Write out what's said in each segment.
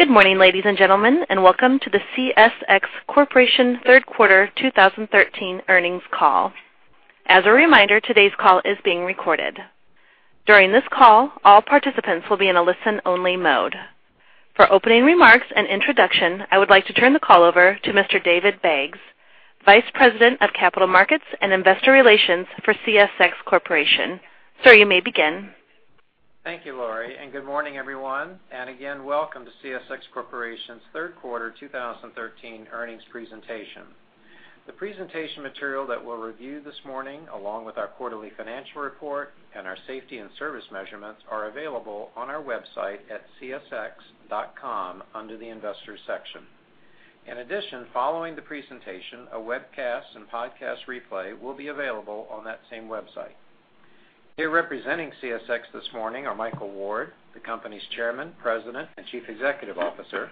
Good morning, ladies and gentlemen, and welcome to the CSX Corporation third quarter 2013 earnings call. As a reminder, today's call is being recorded. During this call, all participants will be in a listen-only mode. For opening remarks and introduction, I would like to turn the call over to Mr. David Baggs, Vice President of Capital Markets and Investor Relations for CSX Corporation. Sir, you may begin. Thank you, Lori, and good morning, everyone. And again, welcome to CSX Corporation's third quarter 2013 earnings presentation. The presentation material that we'll review this morning, along with our quarterly financial report and our safety and service measurements, are available on our website at csx.com under the investors section. In addition, following the presentation, a webcast and podcast replay will be available on that same website. Here representing CSX this morning are Michael Ward, the company's Chairman, President, and Chief Executive Officer,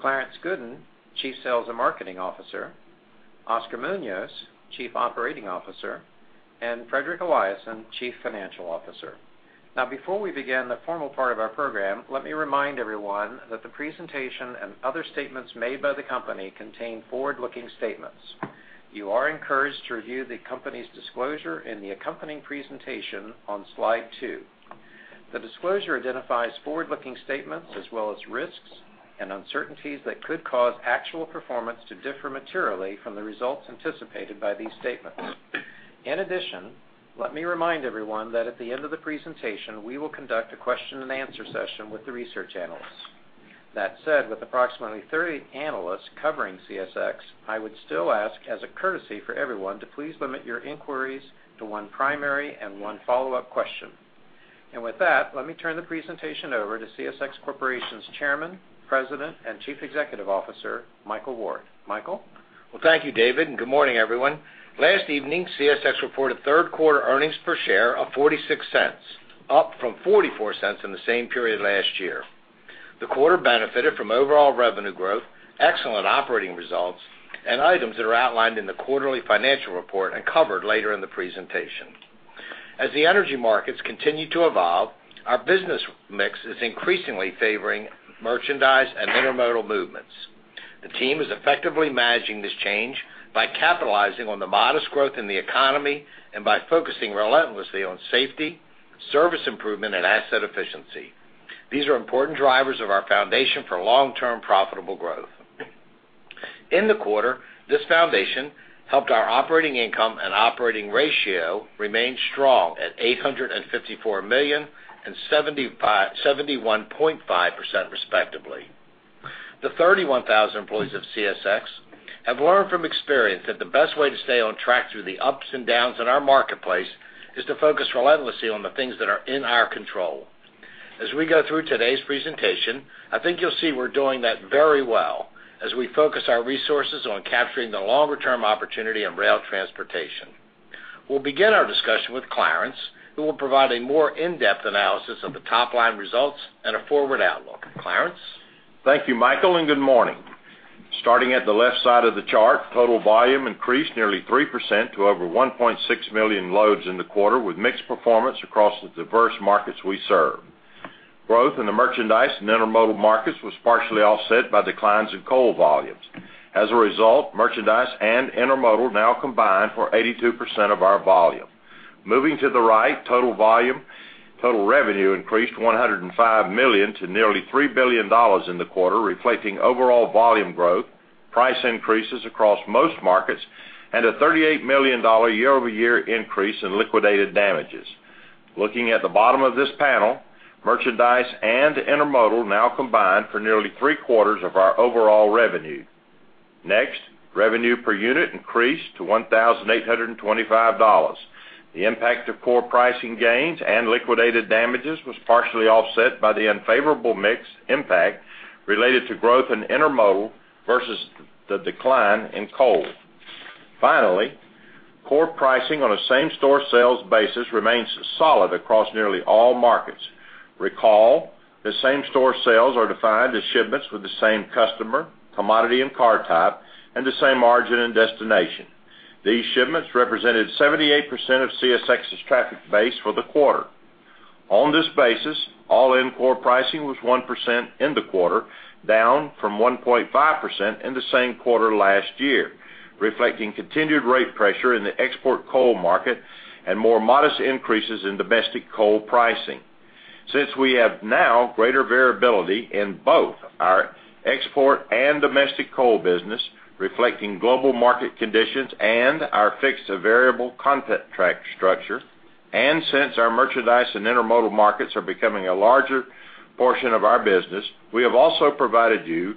Clarence Gooden, Chief Sales and Marketing Officer, Oscar Munoz, Chief Operating Officer, and Fredrik Eliasson, Chief Financial Officer. Now, before we begin the formal part of our program, let me remind everyone that the presentation and other statements made by the company contain forward-looking statements. You are encouraged to review the company's disclosure in the accompanying presentation on slide two. The disclosure identifies forward-looking statements as well as risks and uncertainties that could cause actual performance to differ materially from the results anticipated by these statements. In addition, let me remind everyone that at the end of the presentation, we will conduct a question-and-answer session with the research analysts. That said, with approximately 30 analysts covering CSX, I would still ask, as a courtesy for everyone, to please limit your inquiries to one primary and one follow-up question. With that, let me turn the presentation over to CSX Corporation's Chairman, President, and Chief Executive Officer Michael Ward. Michael? Well, thank you, David, and good morning, everyone. Last evening, CSX reported third quarter earnings per share of $0.46, up from $0.44 in the same period last year. The quarter benefited from overall revenue growth, excellent operating results, and items that are outlined in the quarterly financial report and covered later in the presentation. As the energy markets continue to evolve, our business mix is increasingly favoring merchandise and intermodal movements. The team is effectively managing this change by capitalizing on the modest growth in the economy and by focusing relentlessly on safety, service improvement, and asset efficiency. These are important drivers of our foundation for long-term profitable growth. In the quarter, this foundation helped our operating income and operating ratio remain strong at $854 million and 71.5%, respectively. The 31,000 employees of CSX have learned from experience that the best way to stay on track through the ups and downs in our marketplace is to focus relentlessly on the things that are in our control. As we go through today's presentation, I think you'll see we're doing that very well as we focus our resources on capturing the longer-term opportunity in rail transportation. We'll begin our discussion with Clarence, who will provide a more in-depth analysis of the top-line results and a forward outlook. Clarence? Thank you, Michael, and good morning. Starting at the left side of the chart, total volume increased nearly 3% to over 1.6 million loads in the quarter with mixed performance across the diverse markets we serve. Growth in the merchandise and intermodal markets was partially offset by declines in coal volumes. As a result, merchandise and intermodal now combine for 82% of our volume. Moving to the right, total revenue increased $105 million to nearly $3 billion in the quarter, reflecting overall volume growth, price increases across most markets, and a $38 million year-over-year increase in liquidated damages. Looking at the bottom of this panel, merchandise and intermodal now combine for nearly three-quarters of our overall revenue. Next, revenue per unit increased to $1,825. The impact of core pricing gains and liquidated damages was partially offset by the unfavorable mixed impact related to growth in intermodal versus the decline in coal. Finally, core pricing on a same-store sales basis remains solid across nearly all markets. Recall, the same-store sales are defined as shipments with the same customer, commodity, and car type, and the same origin and destination. These shipments represented 78% of CSX's traffic base for the quarter. On this basis, all-in core pricing was 1% in the quarter, down from 1.5% in the same quarter last year, reflecting continued rate pressure in the export coal market and more modest increases in domestic coal pricing. Since we have now greater variability in both our export and domestic coal business, reflecting global market conditions and our fixed-to-variable contract structure, and since our merchandise and intermodal markets are becoming a larger portion of our business, we have also provided you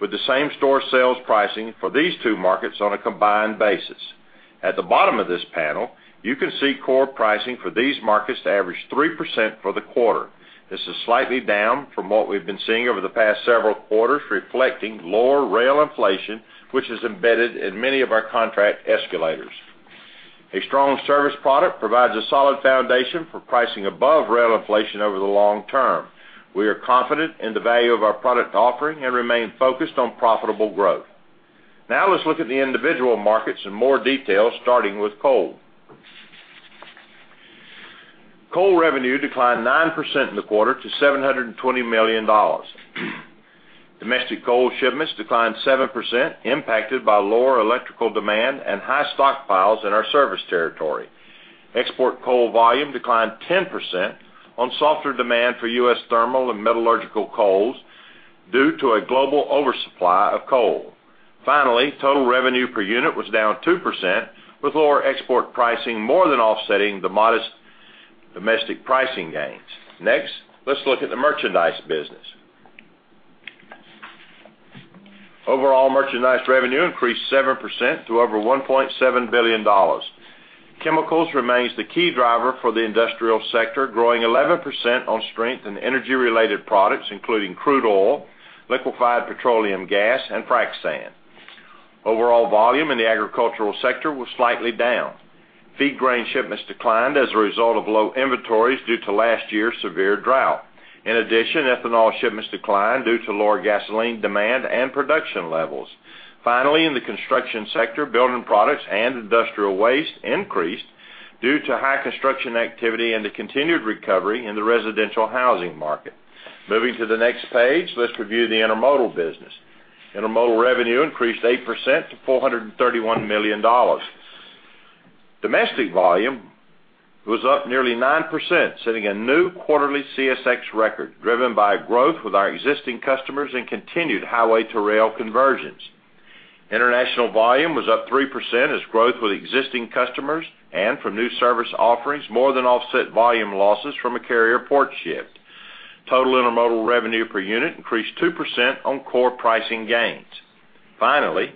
with the same-store sales pricing for these two markets on a combined basis. At the bottom of this panel, you can see core pricing for these markets average 3% for the quarter. This is slightly down from what we've been seeing over the past several quarters, reflecting lower rail inflation, which is embedded in many of our contract escalators. A strong service product provides a solid foundation for pricing above rail inflation over the long term. We are confident in the value of our product offering and remain focused on profitable growth. Now let's look at the individual markets in more detail, starting with coal. Coal revenue declined 9% in the quarter to $720 million. Domestic coal shipments declined 7%, impacted by lower electrical demand and high stockpiles in our service territory. Export coal volume declined 10% on softer demand for U.S. thermal and metallurgical coals due to a global oversupply of coal. Finally, total revenue per unit was down 2%, with lower export pricing more than offsetting the modest domestic pricing gains. Next, let's look at the merchandise business. Overall merchandise revenue increased 7% to over $1.7 billion. Chemicals remains the key driver for the industrial sector, growing 11% on strength in energy-related products, including crude oil, liquefied petroleum gas, and frac sand. Overall volume in the agricultural sector was slightly down. Feed grain shipments declined as a result of low inventories due to last year's severe drought. In addition, ethanol shipments declined due to lower gasoline demand and production levels. Finally, in the construction sector, building products and industrial waste increased due to high construction activity and the continued recovery in the residential housing market. Moving to the next page, let's review the intermodal business. Intermodal revenue increased 8% to $431 million. Domestic volume was up nearly 9%, setting a new quarterly CSX record, driven by growth with our existing customers and continued highway-to-rail conversions. International volume was up 3% as growth with existing customers and from new service offerings more than offset volume losses from a carrier port shift. Total intermodal revenue per unit increased 2% on core pricing gains. Finally,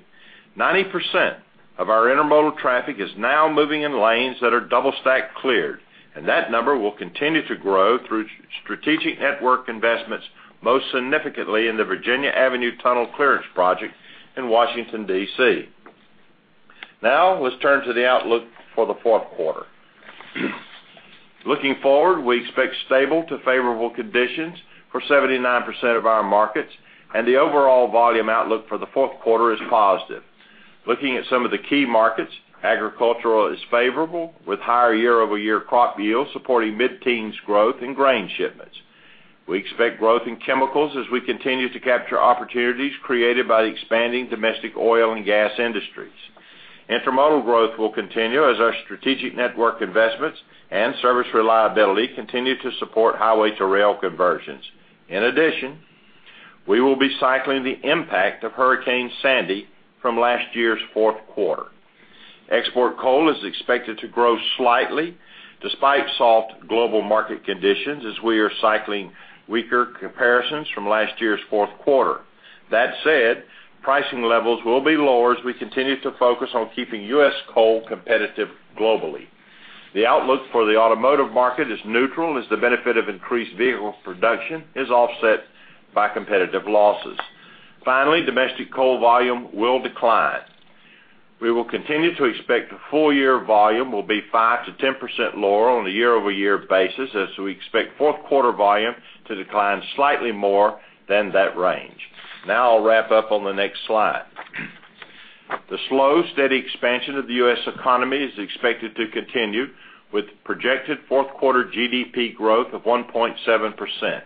90% of our intermodal traffic is now moving in lanes that are double-stack cleared, and that number will continue to grow through strategic network investments, most significantly in the Virginia Avenue Tunnel Clearance Project in Washington, D.C. Now let's turn to the outlook for the fourth quarter. Looking forward, we expect stable to favorable conditions for 79% of our markets, and the overall volume outlook for the fourth quarter is positive. Looking at some of the key markets, agricultural is favorable, with higher year-over-year crop yields supporting mid-teens growth in grain shipments. We expect growth in chemicals as we continue to capture opportunities created by the expanding domestic oil and gas industries. Intermodal growth will continue as our strategic network investments and service reliability continue to support highway-to-rail conversions. In addition, we will be cycling the impact of Hurricane Sandy from last year's fourth quarter. Export coal is expected to grow slightly despite soft global market conditions as we are cycling weaker comparisons from last year's fourth quarter. That said, pricing levels will be lower as we continue to focus on keeping U.S. coal competitive globally. The outlook for the automotive market is neutral, as the benefit of increased vehicle production is offset by competitive losses. Finally, domestic coal volume will decline. We will continue to expect full-year volume will be 5%-10% lower on a year-over-year basis, as we expect fourth quarter volume to decline slightly more than that range. Now I'll wrap up on the next slide. The slow, steady expansion of the U.S. economy is expected to continue, with projected fourth quarter GDP growth of 1.7%.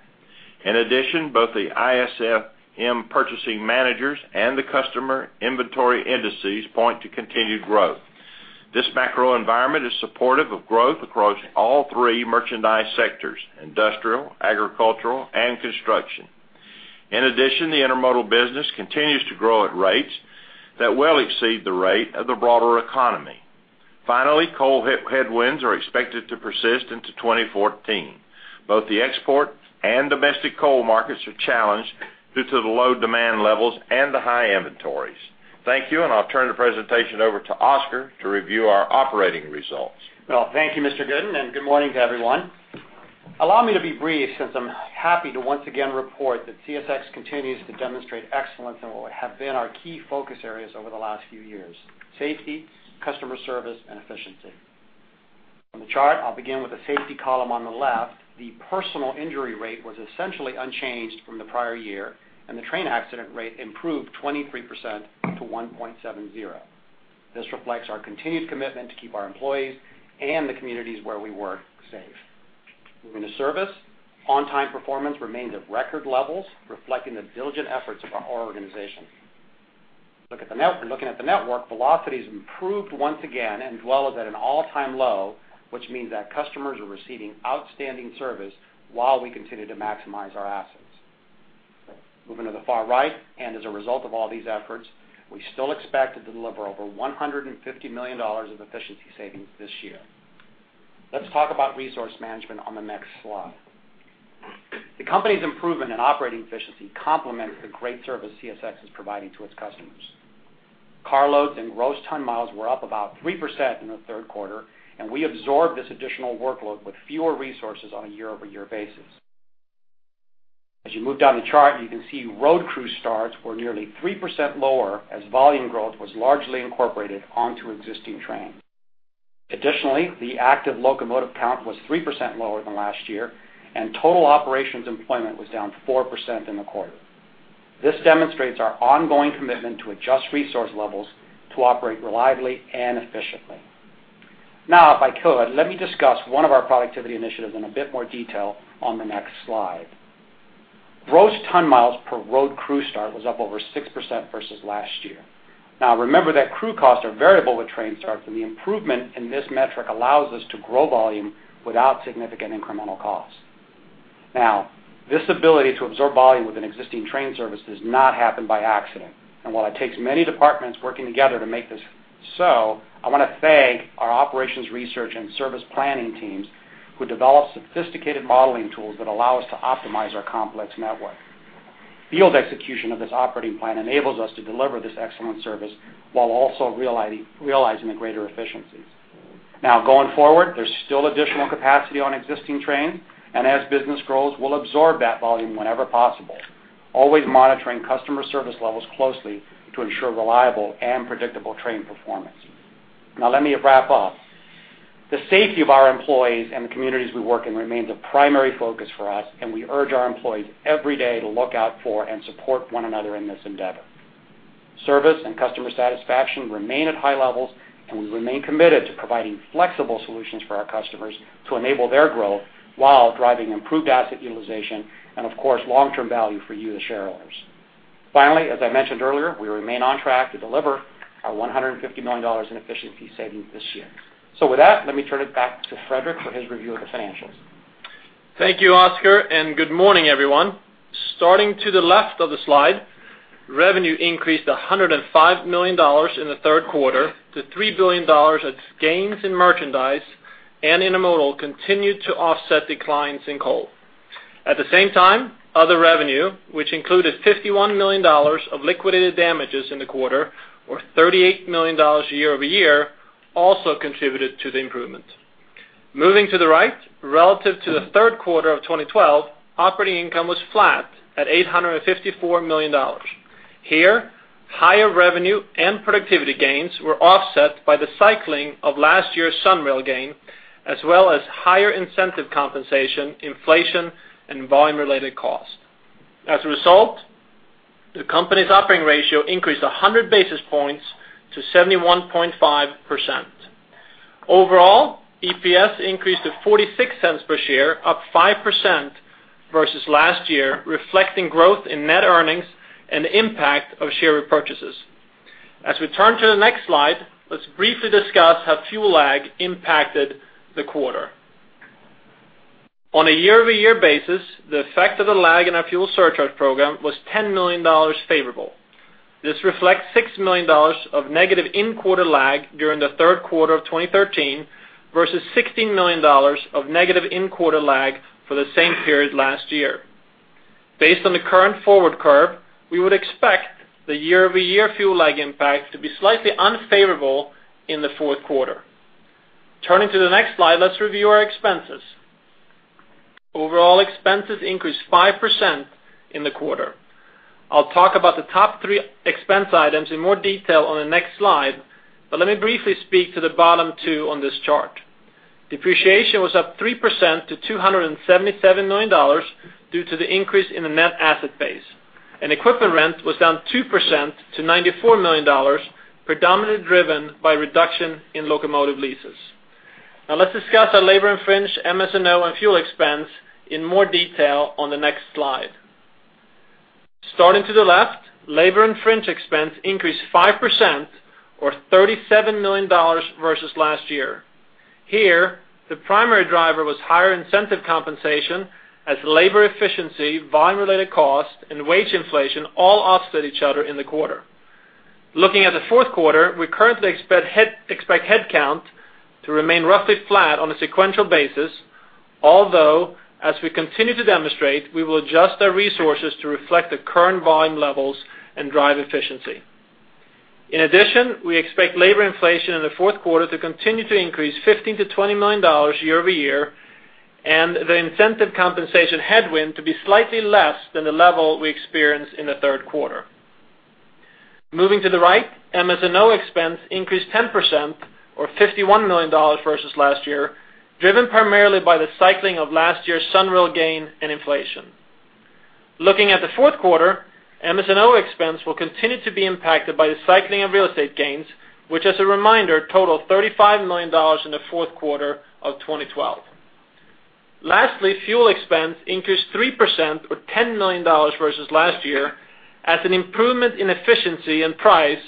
In addition, both the ISM purchasing managers and the customer inventory indices point to continued growth. This macro environment is supportive of growth across all three merchandise sectors: industrial, agricultural, and construction. In addition, the intermodal business continues to grow at rates that well exceed the rate of the broader economy. Finally, coal headwinds are expected to persist into 2014. Both the export and domestic coal markets are challenged due to the low demand levels and the high inventories. Thank you, and I'll turn the presentation over to Oscar to review our operating results. Well, thank you, Mr. Gooden, and good morning to everyone. Allow me to be brief, since I'm happy to once again report that CSX continues to demonstrate excellence in what have been our key focus areas over the last few years: safety, customer service, and efficiency. From the chart, I'll begin with the safety column on the left. The personal injury rate was essentially unchanged from the prior year, and the train accident rate improved 23% to 1.70. This reflects our continued commitment to keep our employees and the communities where we work safe. Moving to service, on-time performance remains at record levels, reflecting the diligent efforts of our organization. Looking at the network, velocities improved once again and dwell at an all-time low, which means that customers are receiving outstanding service while we continue to maximize our assets. Moving to the far right, and as a result of all these efforts, we still expect to deliver over $150 million of efficiency savings this year. Let's talk about resource management on the next slide. The company's improvement in operating efficiency complements the great service CSX is providing to its customers. Carloads and gross ton miles were up about 3% in the third quarter, and we absorbed this additional workload with fewer resources on a year-over-year basis. As you move down the chart, you can see road crew starts were nearly 3% lower as volume growth was largely incorporated onto existing trains. Additionally, the active locomotive count was 3% lower than last year, and total operations employment was down 4% in the quarter. This demonstrates our ongoing commitment to adjust resource levels to operate reliably and efficiently. Now, if I could, let me discuss one of our productivity initiatives in a bit more detail on the next slide. Gross ton miles per road crew start was up over 6% versus last year. Now, remember that crew costs are variable with train starts, and the improvement in this metric allows us to grow volume without significant incremental costs. Now, this ability to absorb volume with an existing train service does not happen by accident, and while it takes many departments working together to make this so, I want to thank our operations research and service planning teams, who develop sophisticated modeling tools that allow us to optimize our complex network. Field execution of this operating plan enables us to deliver this excellent service while also realizing the greater efficiencies. Now, going forward, there's still additional capacity on existing trains, and as business grows, we'll absorb that volume whenever possible, always monitoring customer service levels closely to ensure reliable and predictable train performance. Now, let me wrap up. The safety of our employees and the communities we work in remains a primary focus for us, and we urge our employees every day to look out for and support one another in this endeavor. Service and customer satisfaction remain at high levels, and we remain committed to providing flexible solutions for our customers to enable their growth while driving improved asset utilization and, of course, long-term value for you, the shareholders. Finally, as I mentioned earlier, we remain on track to deliver our $150 million in efficiency savings this year. So with that, let me turn it back to Fredrik for his review of the financials. Thank you, Oscar, and good morning, everyone. Starting to the left of the slide, revenue increased $105 million in the third quarter to $3 billion as gains in merchandise and intermodal continued to offset declines in coal. At the same time, other revenue, which included $51 million of liquidated damages in the quarter, or $38 million year-over-year, also contributed to the improvement. Moving to the right, relative to the third quarter of 2012, operating income was flat at $854 million. Here, higher revenue and productivity gains were offset by the cycling of last year's SunRail gain, as well as higher incentive compensation, inflation, and volume-related costs. As a result, the company's operating ratio increased 100 basis points to 71.5%. Overall, EPS increased to $0.46 per share, up 5% versus last year, reflecting growth in net earnings and the impact of share repurchases. As we turn to the next slide, let's briefly discuss how fuel lag impacted the quarter. On a year-over-year basis, the effect of the lag in our fuel surcharge program was $10 million favorable. This reflects $6 million of negative in-quarter lag during the third quarter of 2013 versus $16 million of negative in-quarter lag for the same period last year. Based on the current forward curve, we would expect the year-over-year fuel lag impact to be slightly unfavorable in the fourth quarter. Turning to the next slide, let's review our expenses. Overall expenses increased 5% in the quarter. I'll talk about the top three expense items in more detail on the next slide, but let me briefly speak to the bottom two on this chart. Depreciation was up 3% to $277 million due to the increase in the net asset base, and equipment rent was down 2% to $94 million, predominantly driven by reduction in locomotive leases. Now, let's discuss our labor and fringe, MS&O, and fuel expense in more detail on the next slide. Starting to the left, labor and fringe expense increased 5%, or $37 million versus last year. Here, the primary driver was higher incentive compensation, as labor efficiency, volume-related costs, and wage inflation all offset each other in the quarter. Looking at the fourth quarter, we currently expect headcount to remain roughly flat on a sequential basis, although, as we continue to demonstrate, we will adjust our resources to reflect the current volume levels and drive efficiency. In addition, we expect labor inflation in the fourth quarter to continue to increase $15 million-$20 million year-over-year, and the incentive compensation headwind to be slightly less than the level we experienced in the third quarter. Moving to the right, MS&O expense increased 10%, or $51 million versus last year, driven primarily by the cycling of last year's SunRail gain and inflation. Looking at the fourth quarter, MS&O expense will continue to be impacted by the cycling of real estate gains, which, as a reminder, totaled $35 million in the fourth quarter of 2012. Lastly, fuel expense increased 3%, or $10 million versus last year, as an improvement in efficiency and price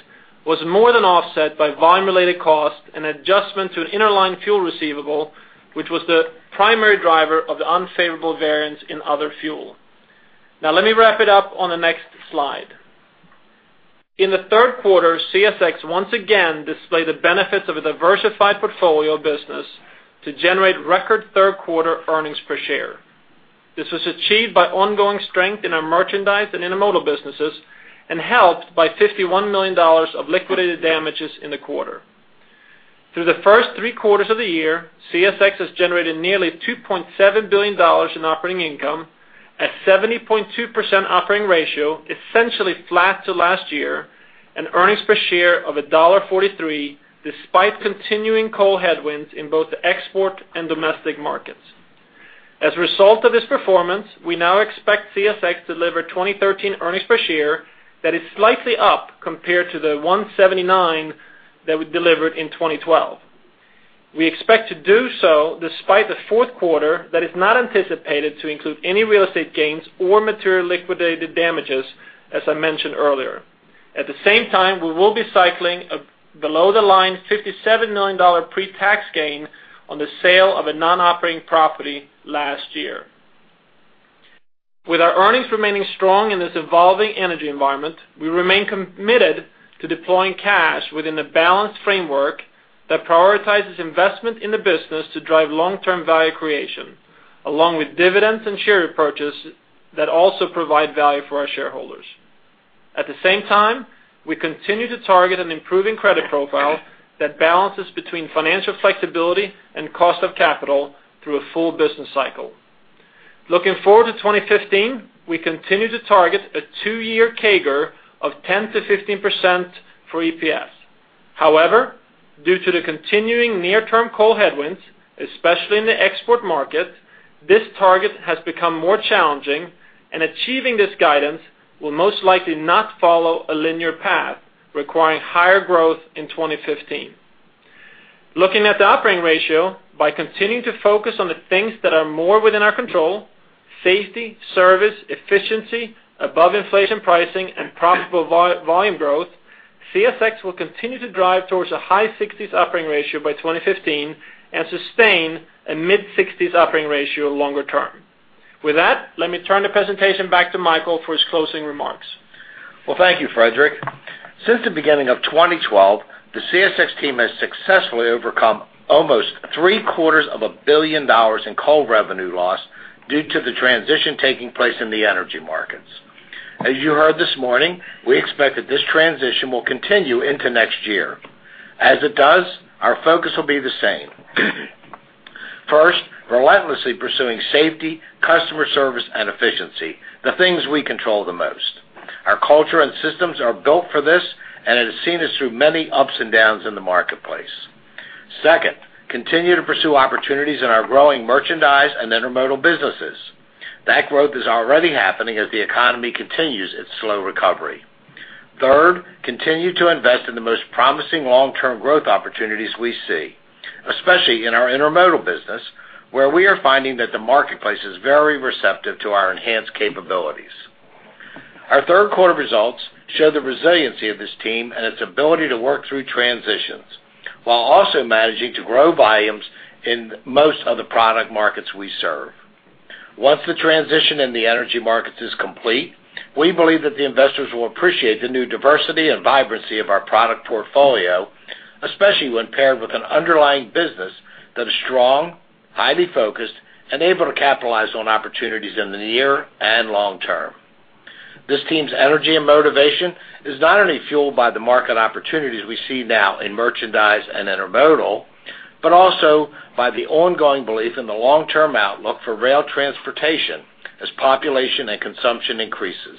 was more than offset by volume-related costs and adjustment to an interline fuel receivable, which was the primary driver of the unfavorable variance in other fuel. Now, let me wrap it up on the next slide. In the third quarter, CSX once again displayed the benefits of a diversified portfolio business to generate record third quarter earnings per share. This was achieved by ongoing strength in our merchandise and intermodal businesses and helped by $51 million of liquidated damages in the quarter. Through the first three quarters of the year, CSX has generated nearly $2.7 billion in operating income, a 70.2% operating ratio essentially flat to last year, and earnings per share of $1.43 despite continuing coal headwinds in both the export and domestic markets. As a result of this performance, we now expect CSX to deliver 2013 earnings per share that is slightly up compared to the $179 that we delivered in 2012. We expect to do so despite the fourth quarter that is not anticipated to include any real estate gains or material liquidated damages, as I mentioned earlier. At the same time, we will be cycling a below-the-line $57 million pre-tax gain on the sale of a non-operating property last year. With our earnings remaining strong in this evolving energy environment, we remain committed to deploying cash within a balanced framework that prioritizes investment in the business to drive long-term value creation, along with dividends and share repurchases that also provide value for our shareholders. At the same time, we continue to target an improving credit profile that balances between financial flexibility and cost of capital through a full business cycle. Looking forward to 2015, we continue to target a two-year CAGR of 10%-15% for EPS. However, due to the continuing near-term coal headwinds, especially in the export market, this target has become more challenging, and achieving this guidance will most likely not follow a linear path requiring higher growth in 2015. Looking at the operating ratio, by continuing to focus on the things that are more within our control, safety, service, efficiency, above-inflation pricing, and profitable volume growth, CSX will continue to drive towards a high 60s operating ratio by 2015 and sustain a mid-60s operating ratio longer term. With that, let me turn the presentation back to Michael for his closing remarks. Well, thank you, Fredrik. Since the beginning of 2012, the CSX team has successfully overcome almost $750 million in coal revenue loss due to the transition taking place in the energy markets. As you heard this morning, we expect that this transition will continue into next year. As it does, our focus will be the same. First, relentlessly pursuing safety, customer service, and efficiency, the things we control the most. Our culture and systems are built for this, and it has seen us through many ups and downs in the marketplace. Second, continue to pursue opportunities in our growing merchandise and intermodal businesses. That growth is already happening as the economy continues its slow recovery. Third, continue to invest in the most promising long-term growth opportunities we see, especially in our intermodal business, where we are finding that the marketplace is very receptive to our enhanced capabilities. Our third quarter results show the resiliency of this team and its ability to work through transitions while also managing to grow volumes in most of the product markets we serve. Once the transition in the energy markets is complete, we believe that the investors will appreciate the new diversity and vibrancy of our product portfolio, especially when paired with an underlying business that is strong, highly focused, and able to capitalize on opportunities in the near and long term. This team's energy and motivation is not only fueled by the market opportunities we see now in merchandise and intermodal, but also by the ongoing belief in the long-term outlook for rail transportation as population and consumption increases.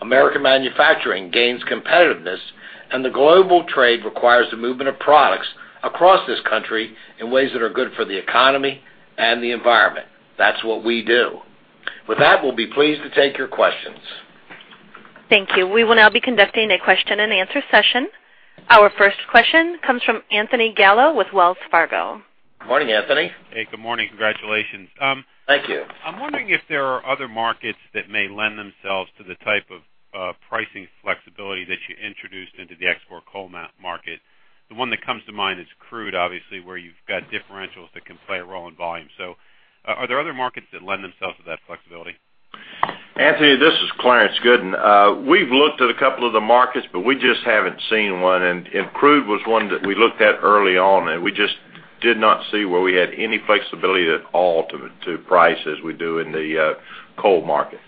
American manufacturing gains competitiveness, and the global trade requires the movement of products across this country in ways that are good for the economy and the environment. That's what we do. With that, we'll be pleased to take your questions. Thank you. We will now be conducting a question-and-answer session. Our first question comes from Anthony Gallo with Wells Fargo. Morning, Anthony. Hey, good morning. Congratulations. Thank you. I'm wondering if there are other markets that may lend themselves to the type of pricing flexibility that you introduced into the export coal market. The one that comes to mind is crude, obviously, where you've got differentials that can play a role in volume. So are there other markets that lend themselves to that flexibility? Anthony, this is Clarence Gooden. We've looked at a couple of the markets, but we just haven't seen one. Crude was one that we looked at early on, and we just did not see where we had any flexibility at all to price as we do in the coal market.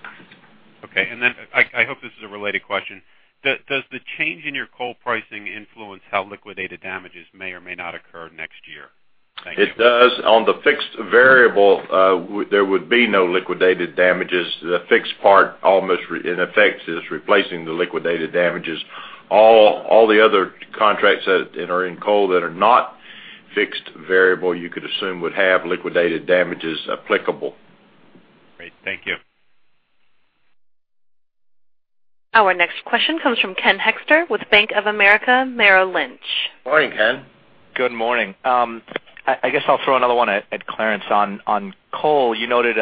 Okay. And then I hope this is a related question. Does the change in your coal pricing influence how liquidated damages may or may not occur next year? Thank you. It does. On the fixed-to-variable, there would be no liquidated damages. The fixed part, in effect, is replacing the liquidated damages. All the other contracts that are in coal that are not fixed-to-variable, you could assume, would have liquidated damages applicable. Great. Thank you. Our next question comes from Ken Hoexter with Bank of America Merrill Lynch. Morning, Ken. Good morning. I guess I'll throw another one at Clarence. On coal, you noted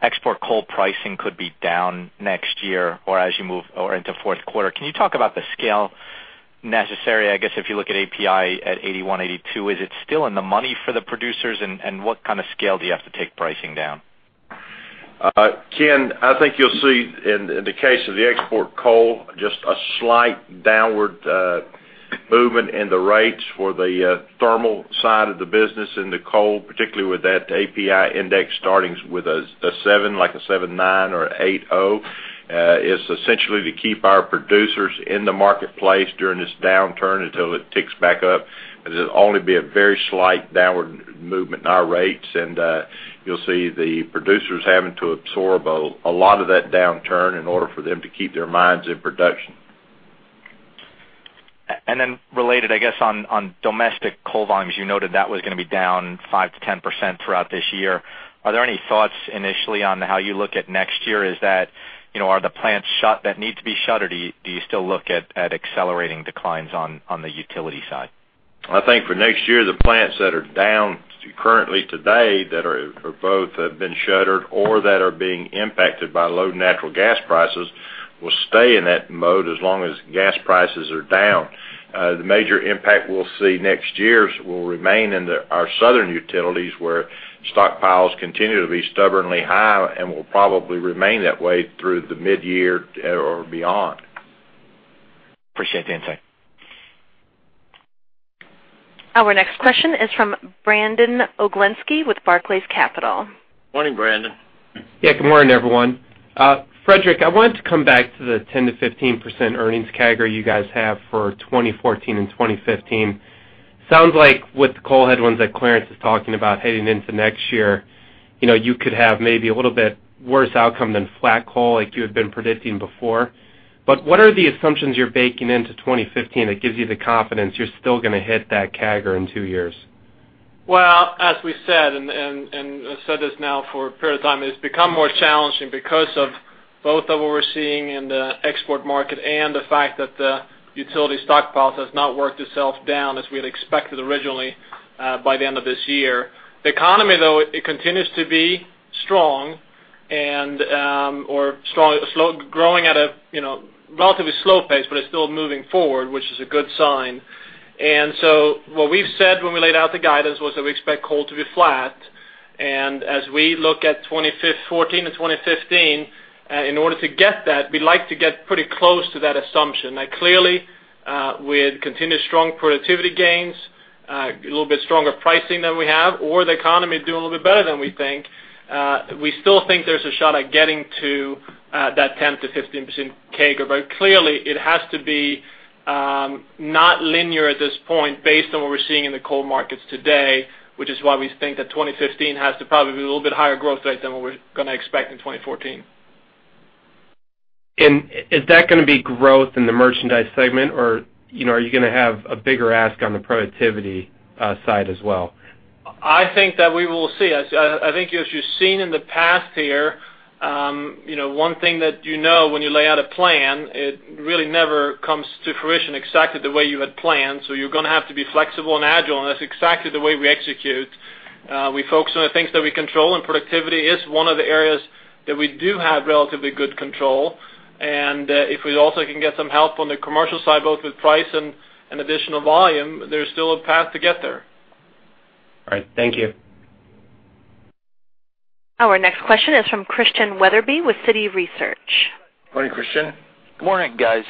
export coal pricing could be down next year or as you move into fourth quarter. Can you talk about the scale necessary? I guess if you look at API at $81, $82, is it still in the money for the producers, and what kind of scale do you have to take pricing down? Ken, I think you'll see in the case of the export coal just a slight downward movement in the rates for the thermal side of the business in the coal, particularly with that API index starting with a 7, like a 7.9 or 8.0. It's essentially to keep our producers in the marketplace during this downturn until it ticks back up. It'll only be a very slight downward movement in our rates, and you'll see the producers having to absorb a lot of that downturn in order for them to keep their mines in production. Then related, I guess, on domestic coal volumes, you noted that was going to be down 5%-10% throughout this year. Are there any thoughts initially on how you look at next year? Are the plants shut that need to be shuttered? Do you still look at accelerating declines on the utility side? I think for next year, the plants that are down currently today that have both been shuttered or that are being impacted by low natural gas prices will stay in that mode as long as gas prices are down. The major impact we'll see next year will remain in our southern utilities where stockpiles continue to be stubbornly high and will probably remain that way through the midyear or beyond. Appreciate the insight. Our next question is from Brandon Oglenski with Barclays Capital. Morning, Brandon. Yeah, good morning, everyone. Fredrik, I wanted to come back to the 10%-15% earnings CAGR you guys have for 2014 and 2015. Sounds like with the coal headwinds that Clarence is talking about heading into next year, you could have maybe a little bit worse outcome than flat coal like you had been predicting before. But what are the assumptions you're baking into 2015 that gives you the confidence you're still going to hit that CAGR in two years? Well, as we said, and I've said this now for a period of time, it's become more challenging because of both of what we're seeing in the export market and the fact that the utility stockpiles have not worked itself down as we had expected originally by the end of this year. The economy, though, it continues to be strong or growing at a relatively slow pace, but it's still moving forward, which is a good sign. So what we've said when we laid out the guidance was that we expect coal to be flat. As we look at 2014 and 2015, in order to get that, we'd like to get pretty close to that assumption. Clearly, with continued strong productivity gains, a little bit stronger pricing than we have, or the economy doing a little bit better than we think, we still think there's a shot at getting to that 10%-15% CAGR. But clearly, it has to be not linear at this point based on what we're seeing in the coal markets today, which is why we think that 2015 has to probably be a little bit higher growth rate than what we're going to expect in 2014. Is that going to be growth in the merchandise segment, or are you going to have a bigger ask on the productivity side as well? I think that we will see. I think as you've seen in the past here, one thing that you know when you lay out a plan, it really never comes to fruition exactly the way you had planned. So you're going to have to be flexible and agile, and that's exactly the way we execute. We focus on the things that we control, and productivity is one of the areas that we do have relatively good control. And if we also can get some help on the commercial side, both with price and additional volume, there's still a path to get there. All right. Thank you. Our next question is from Christian Wetherbee with Citi Research. Morning, Christian. Good morning, guys.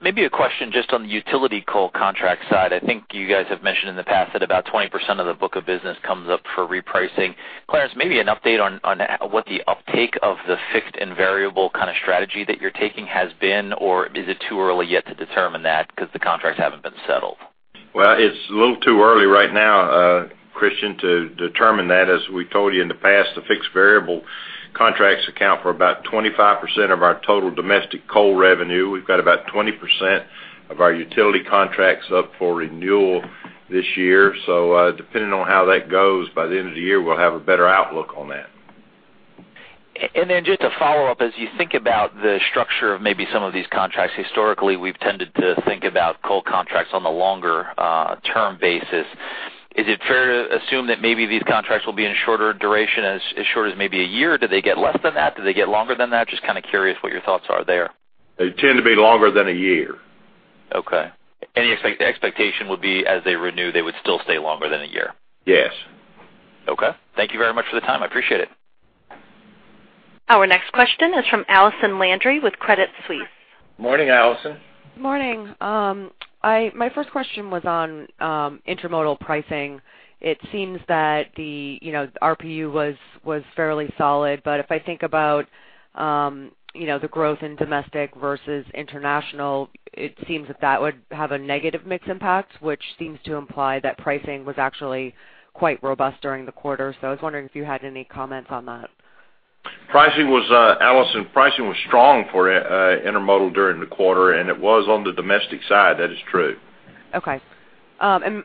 Maybe a question just on the utility coal contract side. I think you guys have mentioned in the past that about 20% of the book of business comes up for repricing. Clarence, maybe an update on what the uptake of the fixed and variable kind of strategy that you're taking has been, or is it too early yet to determine that because the contracts haven't been settled? Well, it's a little too early right now, Christian, to determine that. As we told you in the past, the fixed variable contracts account for about 25% of our total domestic coal revenue. We've got about 20% of our utility contracts up for renewal this year. So depending on how that goes by the end of the year, we'll have a better outlook on that. And then just a follow-up, as you think about the structure of maybe some of these contracts, historically, we've tended to think about coal contracts on the longer-term basis. Is it fair to assume that maybe these contracts will be in shorter duration, as short as maybe a year? Do they get less than that? Do they get longer than that? Just kind of curious what your thoughts are there. They tend to be longer than a year. Okay. The expectation would be, as they renew, they would still stay longer than a year? Yes. Okay. Thank you very much for the time. I appreciate it. Our next question is from Allison Landry with Credit Suisse. Morning, Allison. Morning. My first question was on intermodal pricing. It seems that the RPU was fairly solid, but if I think about the growth in domestic versus international, it seems that that would have a negative mix impact, which seems to imply that pricing was actually quite robust during the quarter. So I was wondering if you had any comments on that. Allison, pricing was strong for intermodal during the quarter, and it was on the domestic side. That is true. Okay. Am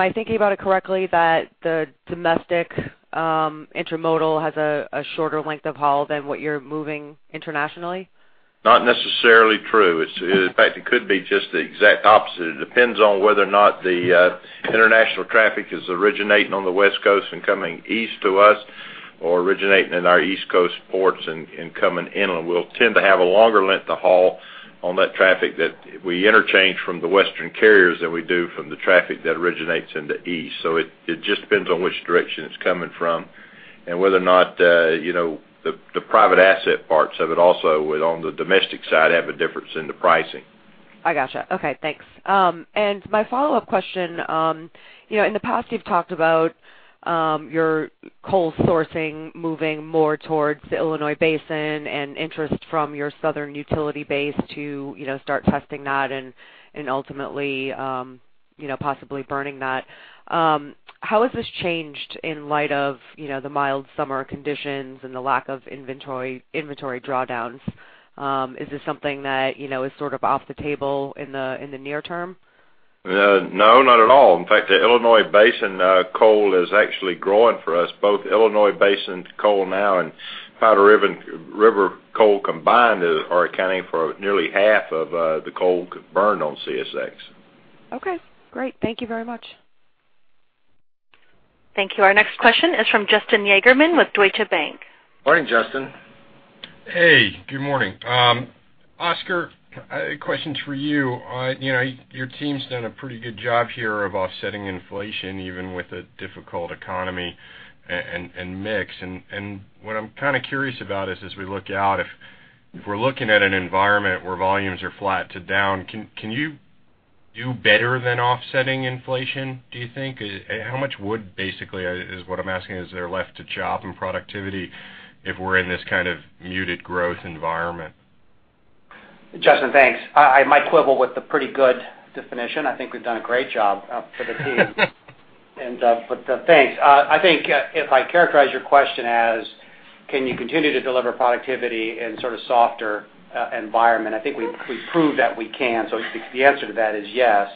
I thinking about it correctly that the domestic intermodal has a shorter length of haul than what you're moving internationally? Not necessarily true. In fact, it could be just the exact opposite. It depends on whether or not the international traffic is originating on the West Coast and coming east to us or originating in our East Coast ports and coming inland. We'll tend to have a longer length of haul on that traffic that we interchange from the Western carriers than we do from the traffic that originates in the east. So it just depends on which direction it's coming from and whether or not the private asset parts of it also on the domestic side have a difference in the pricing. I gotcha. Okay. Thanks. My follow-up question, in the past, you've talked about your coal sourcing moving more towards the Illinois Basin and interest from your southern utility base to start testing that and ultimately possibly burning that. How has this changed in light of the mild summer conditions and the lack of inventory drawdowns? Is this something that is sort of off the table in the near term? No, not at all. In fact, the Illinois Basin coal is actually growing for us. Both Illinois Basin coal now and Powder River coal combined are accounting for nearly half of the coal burned on CSX. Okay. Great. Thank you very much. Thank you. Our next question is from Justin Yagerman with Deutsche Bank. Morning, Justin. Hey, good morning. Oscar, questions for you. Your team's done a pretty good job here of offsetting inflation even with a difficult economy and mix. And what I'm kind of curious about is, as we look out, if we're looking at an environment where volumes are flat to down, can you do better than offsetting inflation, do you think? How much would, basically, is what I'm asking, is there left to chop in productivity if we're in this kind of muted growth environment? Justin, thanks. I might quibble with the pretty good definition. I think we've done a great job for the team. But thanks. I think if I characterize your question as, "Can you continue to deliver productivity in sort of softer environment?" I think we've proved that we can. So the answer to that is yes.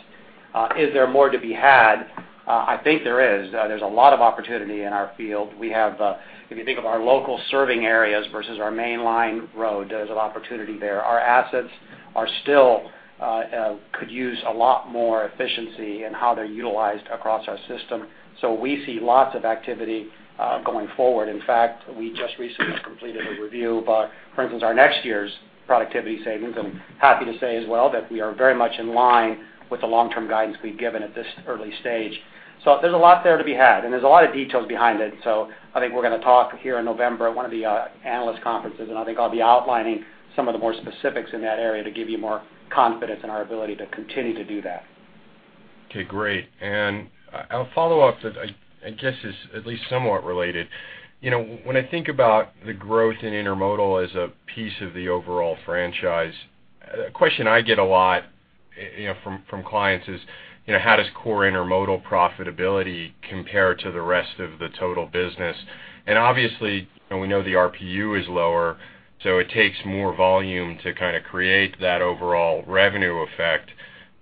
Is there more to be had? I think there is. There's a lot of opportunity in our field. If you think of our local serving areas versus our mainline road, there's an opportunity there. Our assets still could use a lot more efficiency in how they're utilized across our system. So we see lots of activity going forward. In fact, we just recently completed a review of, for instance, our next year's productivity savings. I'm happy to say as well that we are very much in line with the long-term guidance we've given at this early stage. So there's a lot there to be had, and there's a lot of details behind it. So I think we're going to talk here in November at one of the analyst conferences, and I think I'll be outlining some of the more specifics in that area to give you more confidence in our ability to continue to do that. Okay. Great. A follow-up that I guess is at least somewhat related. When I think about the growth in intermodal as a piece of the overall franchise, a question I get a lot from clients is, "How does core intermodal profitability compare to the rest of the total business?" Obviously, we know the RPU is lower, so it takes more volume to kind of create that overall revenue effect.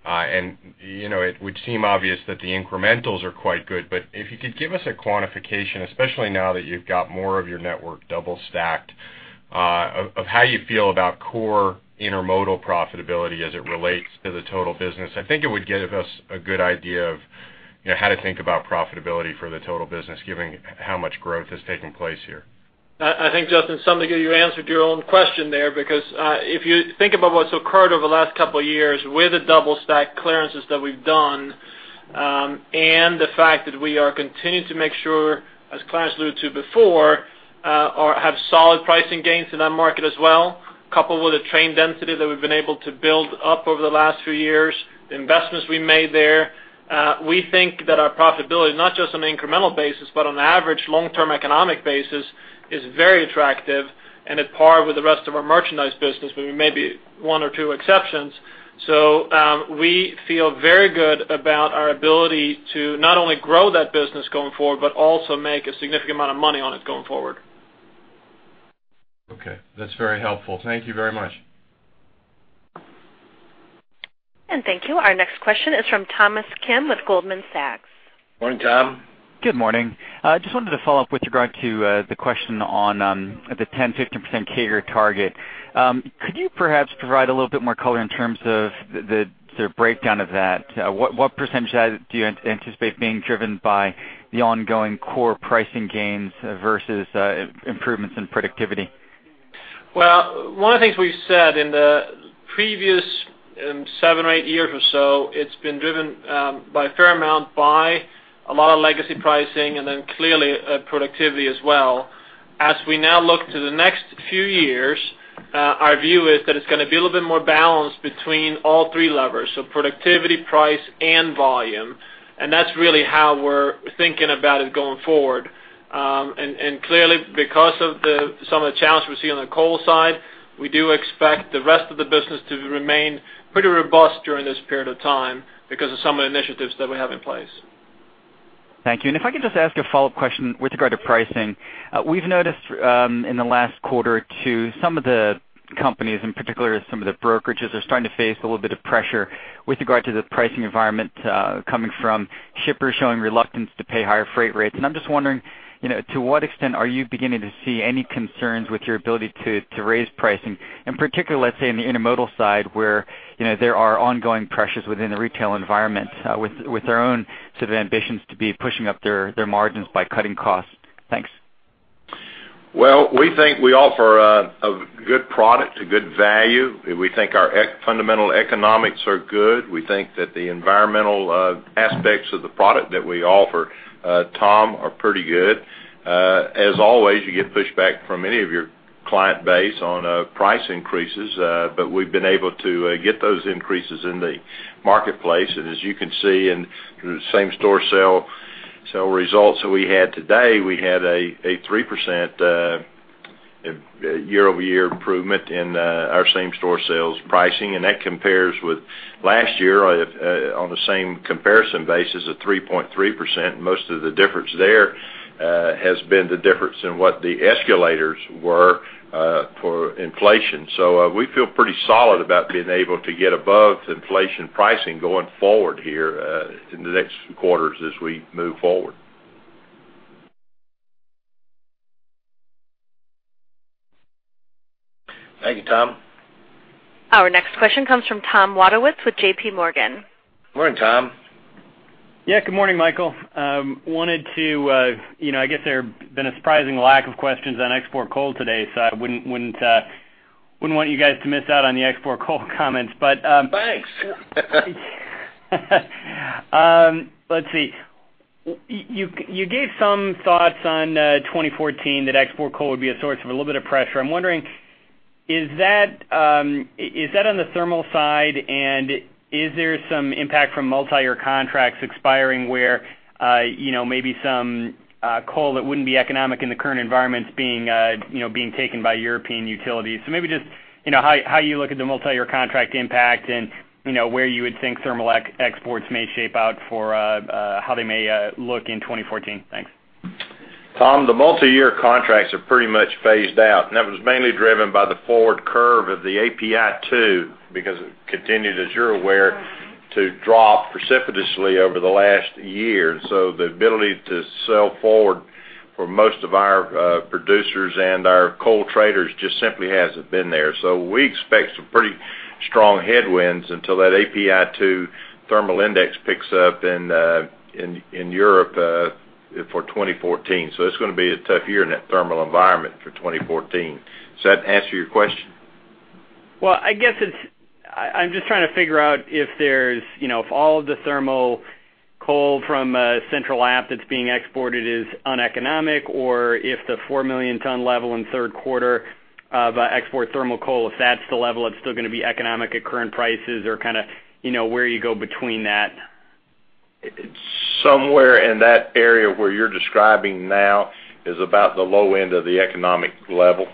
It would seem obvious that the incrementals are quite good, but if you could give us a quantification, especially now that you've got more of your network double-stacked, of how you feel about core intermodal profitability as it relates to the total business, I think it would give us a good idea of how to think about profitability for the total business given how much growth has taken place here. I think, Justin, to some degree, you answered your own question there because if you think about what's occurred over the last couple of years with the double-stack clearances that we've done and the fact that we are continuing to make sure, as Clarence alluded to before, have solid pricing gains in that market as well, coupled with the train density that we've been able to build up over the last few years, the investments we made there, we think that our profitability, not just on an incremental basis but on an average long-term economic basis, is very attractive and at par with the rest of our merchandise business with maybe one or two exceptions. So we feel very good about our ability to not only grow that business going forward but also make a significant amount of money on it going forward. Okay. That's very helpful. Thank you very much. Thank you. Our next question is from Thomas Kim with Goldman Sachs. Morning, Tom. Good morning. I just wanted to follow up with regard to the question on the 10%-15% CAGR target. Could you perhaps provide a little bit more color in terms of the breakdown of that? What percentage do you anticipate being driven by the ongoing core pricing gains versus improvements in productivity? Well, one of the things we've said in the previous seven, eight years or so, it's been driven by a fair amount by a lot of legacy pricing and then clearly productivity as well. As we now look to the next few years, our view is that it's going to be a little bit more balanced between all three levers, so productivity, price, and volume. That's really how we're thinking about it going forward. Clearly, because of some of the challenges we see on the coal side, we do expect the rest of the business to remain pretty robust during this period of time because of some of the initiatives that we have in place. Thank you. And if I could just ask a follow-up question with regard to pricing, we've noticed in the last quarter or two, some of the companies, in particular some of the brokerages, are starting to face a little bit of pressure with regard to the pricing environment coming from shippers showing reluctance to pay higher freight rates. And I'm just wondering, to what extent are you beginning to see any concerns with your ability to raise pricing, in particular, let's say, in the intermodal side where there are ongoing pressures within the retail environment with their own sort of ambitions to be pushing up their margins by cutting costs? Thanks. Well, we think we offer a good product, a good value. We think our fundamental economics are good. We think that the environmental aspects of the product that we offer, Tom, are pretty good. As always, you get pushback from any of your client base on price increases, but we've been able to get those increases in the marketplace. And as you can see in the same-store sales results that we had today, we had a 3% year-over-year improvement in our same-store sales pricing, and that compares with last year on the same comparison basis of 3.3%. Most of the difference there has been the difference in what the escalators were for inflation. So we feel pretty solid about being able to get above inflation pricing going forward here in the next quarters as we move forward. Thank you, Tom. Our next question comes from Tom Wadewitz with JPMorgan. Morning, Tom. Yeah. Good morning, Michael. Wanted to, I guess, there's been a surprising lack of questions on export coal today, so I wouldn't want you guys to miss out on the export coal comments. But. Thanks. Let's see. You gave some thoughts on 2014 that export coal would be a source of a little bit of pressure. I'm wondering, is that on the thermal side, and is there some impact from multi-year contracts expiring where maybe some coal that wouldn't be economic in the current environment's being taken by European utilities? So maybe just how you look at the multi-year contract impact and where you would think thermal exports may shape out for how they may look in 2014. Thanks. Tom, the multi-year contracts are pretty much phased out, and that was mainly driven by the forward curve of the API 2 because it continued, as you're aware, to drop precipitously over the last year. So the ability to sell forward for most of our producers and our coal traders just simply hasn't been there. So we expect some pretty strong headwinds until that API 2 thermal index picks up in Europe for 2014. So it's going to be a tough year in that thermal environment for 2014. Does that answer your question? Well, I guess I'm just trying to figure out if all of the thermal coal from Central App that's being exported is uneconomic or if the 4-million-ton level in third quarter of export thermal coal, if that's the level, it's still going to be economic at current prices or kind of where you go between that. It's somewhere in that area where you're describing now is about the low end of the economic level.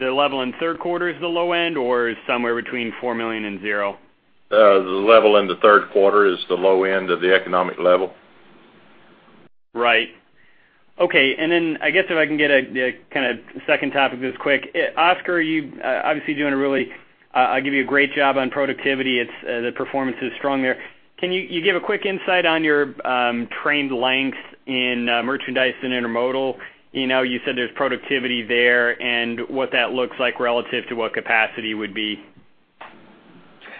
The level in third quarter is the low end, or is somewhere between 4 million and 0? The level in the third quarter is the low end of the economic level. Right. Okay. And then I guess if I can get a kind of second topic this quick, Oscar, you're obviously doing a really great job on productivity. The performance is strong there. Can you give a quick insight on your train length in merchandise and intermodal? You said there's productivity there and what that looks like relative to what capacity would be.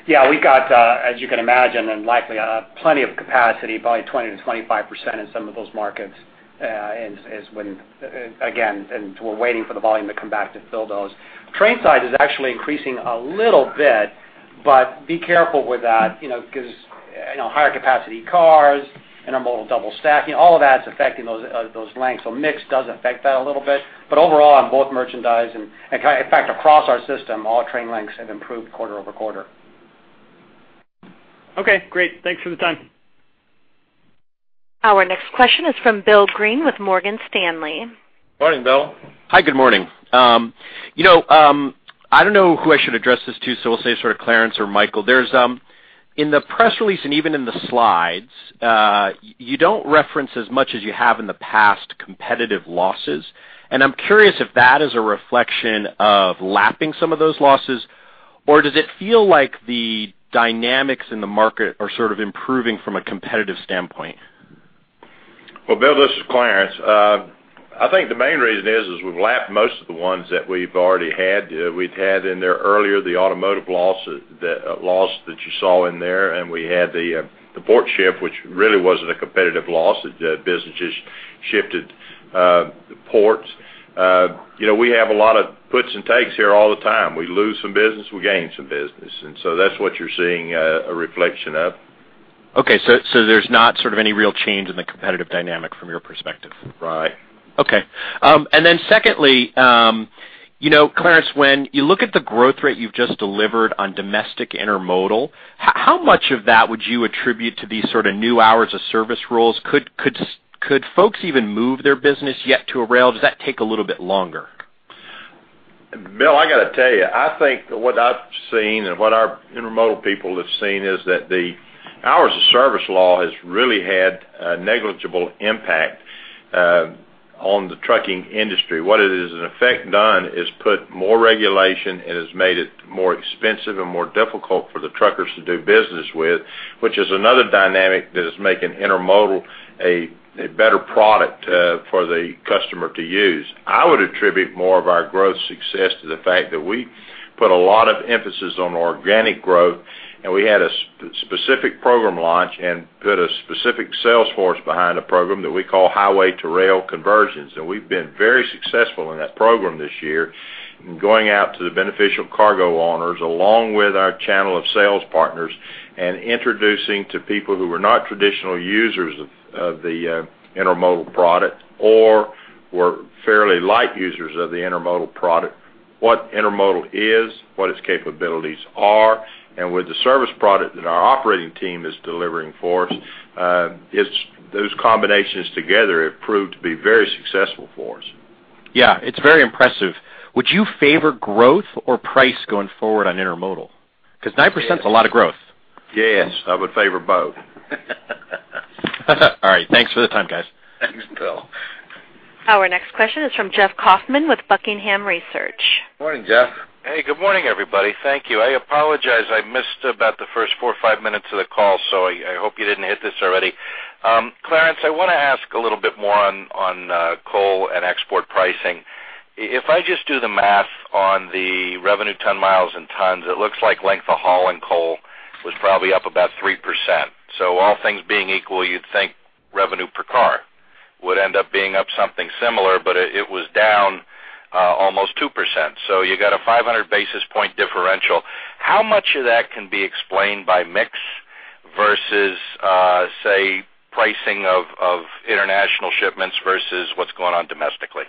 Yeah. We've got, as you can imagine and likely, plenty of capacity, probably 20%-25% in some of those markets is when again, and we're waiting for the volume to come back to fill those. Train size is actually increasing a little bit, but be careful with that because higher capacity cars, intermodal double-stacking, all of that's affecting those lengths. So mixed does affect that a little bit. But overall, on both merchandise and in fact, across our system, all train lengths have improved quarter-over-quarter. Okay. Great. Thanks for the time. Our next question is from Bill Greene with Morgan Stanley. Morning, Bill. Hi. Good morning. I don't know who I should address this to, so we'll say sort of Clarence or Michael. In the press release and even in the slides, you don't reference as much as you have in the past competitive losses. I'm curious if that is a reflection of lapping some of those losses, or does it feel like the dynamics in the market are sort of improving from a competitive standpoint? Well, Bill, this is Clarence. I think the main reason is we've lapped most of the ones that we've already had. We'd had in there earlier the automotive loss that you saw in there, and we had the port shift, which really wasn't a competitive loss. The business just shifted ports. We have a lot of puts and takes here all the time. We lose some business. We gain some business. And so that's what you're seeing a reflection of. Okay. So there's not sort of any real change in the competitive dynamic from your perspective? Right. Okay. And then secondly, Clarence, when you look at the growth rate you've just delivered on domestic intermodal, how much of that would you attribute to these sort of new hours of service rules? Could folks even move their business yet to a rail? Does that take a little bit longer? Bill, I got to tell you, I think what I've seen and what our intermodal people have seen is that the hours of service law has really had a negligible impact on the trucking industry. What it has in effect done is put more regulation and has made it more expensive and more difficult for the truckers to do business with, which is another dynamic that is making intermodal a better product for the customer to use. I would attribute more of our growth success to the fact that we put a lot of emphasis on organic growth, and we had a specific program launch and put a specific sales force behind a program that we call Highway to Rail Conversions. We've been very successful in that program this year and going out to the beneficial cargo owners along with our channel of sales partners and introducing to people who were not traditional users of the intermodal product or were fairly light users of the intermodal product what intermodal is, what its capabilities are. With the service product that our operating team is delivering for us, those combinations together have proved to be very successful for us. Yeah. It's very impressive. Would you favor growth or price going forward on intermodal? Because 9% is a lot of growth. Yes. I would favor both. All right. Thanks for the time, guys. Thanks, Bill. Our next question is from Jeff Kauffman with Buckingham Research. Morning, Jeff. Hey. Good morning, everybody. Thank you. I apologize. I missed about the first 4 or 5 minutes of the call, so I hope you didn't hit this already. Clarence, I want to ask a little bit more on coal and export pricing. If I just do the math on the revenue ton miles and tons, it looks like length of hauling coal was probably up about 3%. So all things being equal, you'd think revenue per car would end up being up something similar, but it was down almost 2%. So you got a 500 basis point differential. How much of that can be explained by mix versus, say, pricing of international shipments versus what's going on domestically?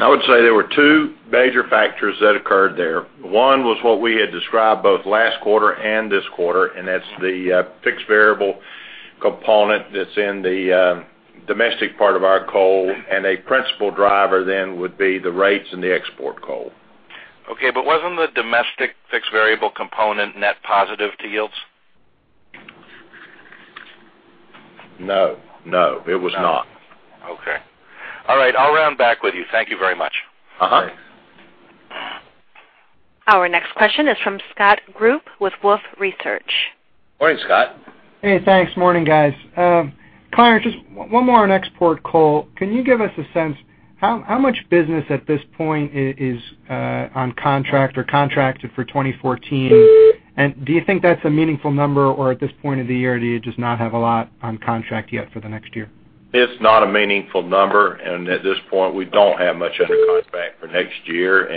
I would say there were two major factors that occurred there. One was what we had described both last quarter and this quarter, and that's the fixed-to-variable component that's in the domestic part of our coal. A principal driver then would be the rates and the export coal. Okay. But wasn't the domestic fixed-to-variable component net positive to yields? No. No. It was not. Okay. All right. I'll round back with you. Thank you very much. Thanks. Our next question is from Scott Group with Wolfe Research. Morning, Scott. Hey. Thanks. Morning, guys. Clarence, just one more on export coal. Can you give us a sense how much business at this point is on contract or contracted for 2014? And do you think that's a meaningful number, or at this point of the year, do you just not have a lot on contract yet for the next year? It's not a meaningful number. At this point, we don't have much under contract for next year.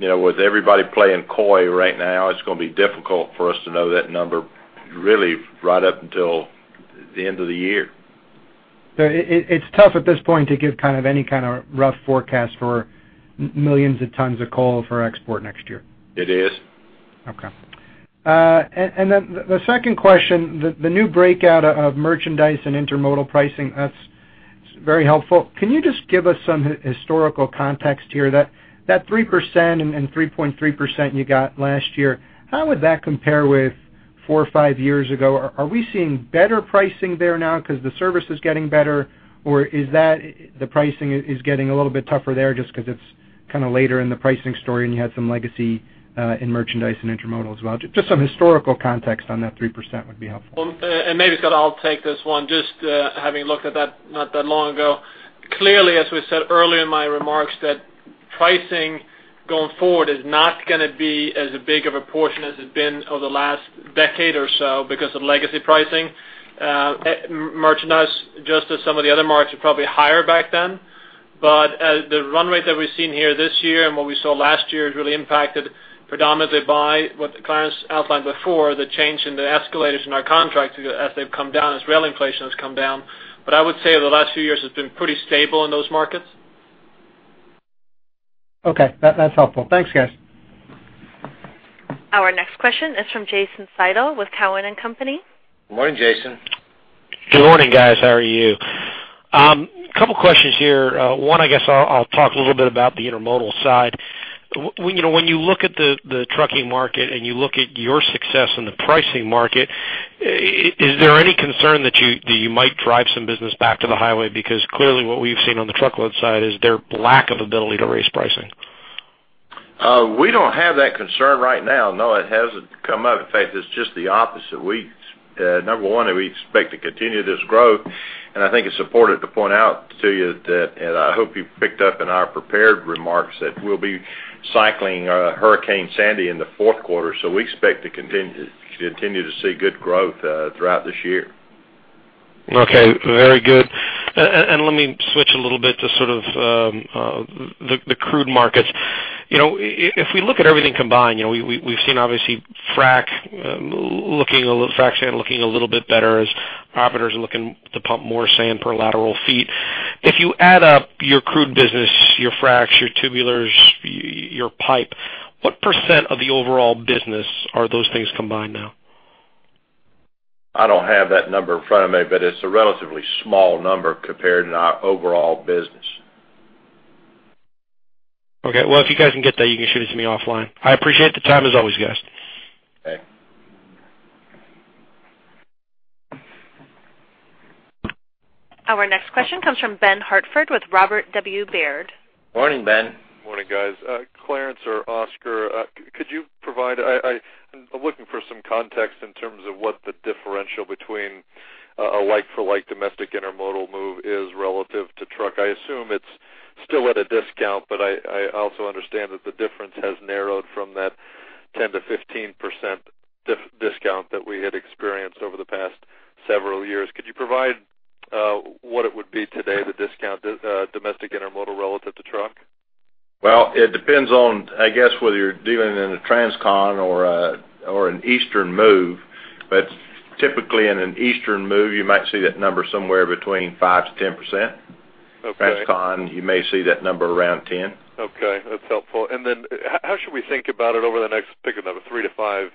With everybody playing coy right now, it's going to be difficult for us to know that number really right up until the end of the year. It's tough at this point to give kind of any kind of rough forecast for millions of tons of coal for export next year? It is. Okay. And then the second question, the new breakout of merchandise and intermodal pricing, that's very helpful. Can you just give us some historical context here? That 3% and 3.3% you got last year, how would that compare with four or five years ago? Are we seeing better pricing there now because the service is getting better, or is that the pricing is getting a little bit tougher there just because it's kind of later in the pricing story, and you had some legacy in merchandise and intermodal as well? Just some historical context on that 3% would be helpful. Maybe, Scott, I'll take this one. Just having looked at that not that long ago, clearly, as we said earlier in my remarks, that pricing going forward is not going to be as big of a portion as it's been over the last decade or so because of legacy pricing. Merchandise, just as some of the other markets, was probably higher back then. But the run rate that we've seen here this year and what we saw last year is really impacted predominantly by what Clarence outlined before, the change in the escalators in our contracts as they've come down, as rail inflation has come down. But I would say over the last few years, it's been pretty stable in those markets. Okay. That's helpful. Thanks, guys. Our next question is from Jason Seidl with Cowen & Company. Morning, Jason. Good morning, guys. How are you? A couple of questions here. One, I guess I'll talk a little bit about the intermodal side. When you look at the trucking market and you look at your success in the pricing market, is there any concern that you might drive some business back to the highway? Because clearly, what we've seen on the truckload side is their lack of ability to raise pricing. We don't have that concern right now. No, it hasn't come up. In fact, it's just the opposite. Number one, we expect to continue this growth. And I think it's important to point out to you that, and I hope you picked up in our prepared remarks, that we'll be cycling Hurricane Sandy in the fourth quarter. So we expect to continue to see good growth throughout this year. Okay. Very good. And let me switch a little bit to sort of the crude markets. If we look at everything combined, we've seen, obviously, frac sand looking a little bit better as operators are looking to pump more sand per lateral feet. If you add up your crude business, your fracs, your tubulars, your pipe, what % of the overall business are those things combined now? I don't have that number in front of me, but it's a relatively small number compared to our overall business. Okay. Well, if you guys can get that, you can shoot it to me offline. I appreciate the time as always, guys. Okay. Our next question comes from Ben Hartford with Robert W. Baird. Morning, Ben. Morning, guys. Clarence or Oscar, could you provide? I'm looking for some context in terms of what the differential between a like-for-like domestic intermodal move is relative to truck. I assume it's still at a discount, but I also understand that the difference has narrowed from that 10%-15% discount that we had experienced over the past several years. Could you provide what it would be today, the discount domestic intermodal relative to truck? Well, it depends on, I guess, whether you're dealing in a Transcon or an Eastern move. But typically, in an Eastern move, you might see that number somewhere between 5%-10%. Transcon, you may see that number around 10%. Okay. That's helpful. Then how should we think about it over the next - pick a number - 3-5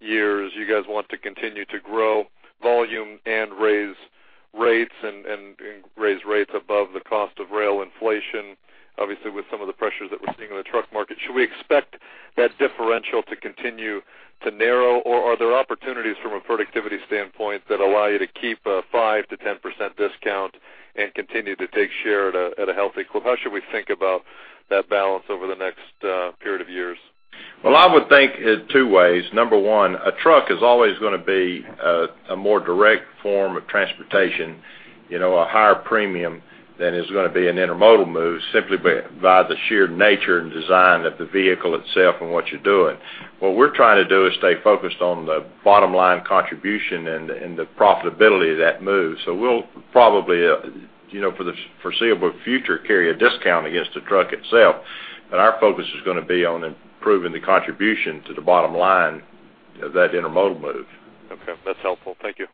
years? You guys want to continue to grow volume and raise rates and raise rates above the cost of rail inflation, obviously, with some of the pressures that we're seeing in the truck market. Should we expect that differential to continue to narrow, or are there opportunities from a productivity standpoint that allow you to keep a 5%-10% discount and continue to take share at a healthy quote? How should we think about that balance over the next period of years? Well, I would think two ways. Number one, a truck is always going to be a more direct form of transportation, a higher premium than is going to be an intermodal move simply by the sheer nature and design of the vehicle itself and what you're doing. What we're trying to do is stay focused on the bottom-line contribution and the profitability of that move. So we'll probably, for the foreseeable future, carry a discount against the truck itself. But our focus is going to be on improving the contribution to the bottom line of that intermodal move. Okay. That's helpful. Thank you.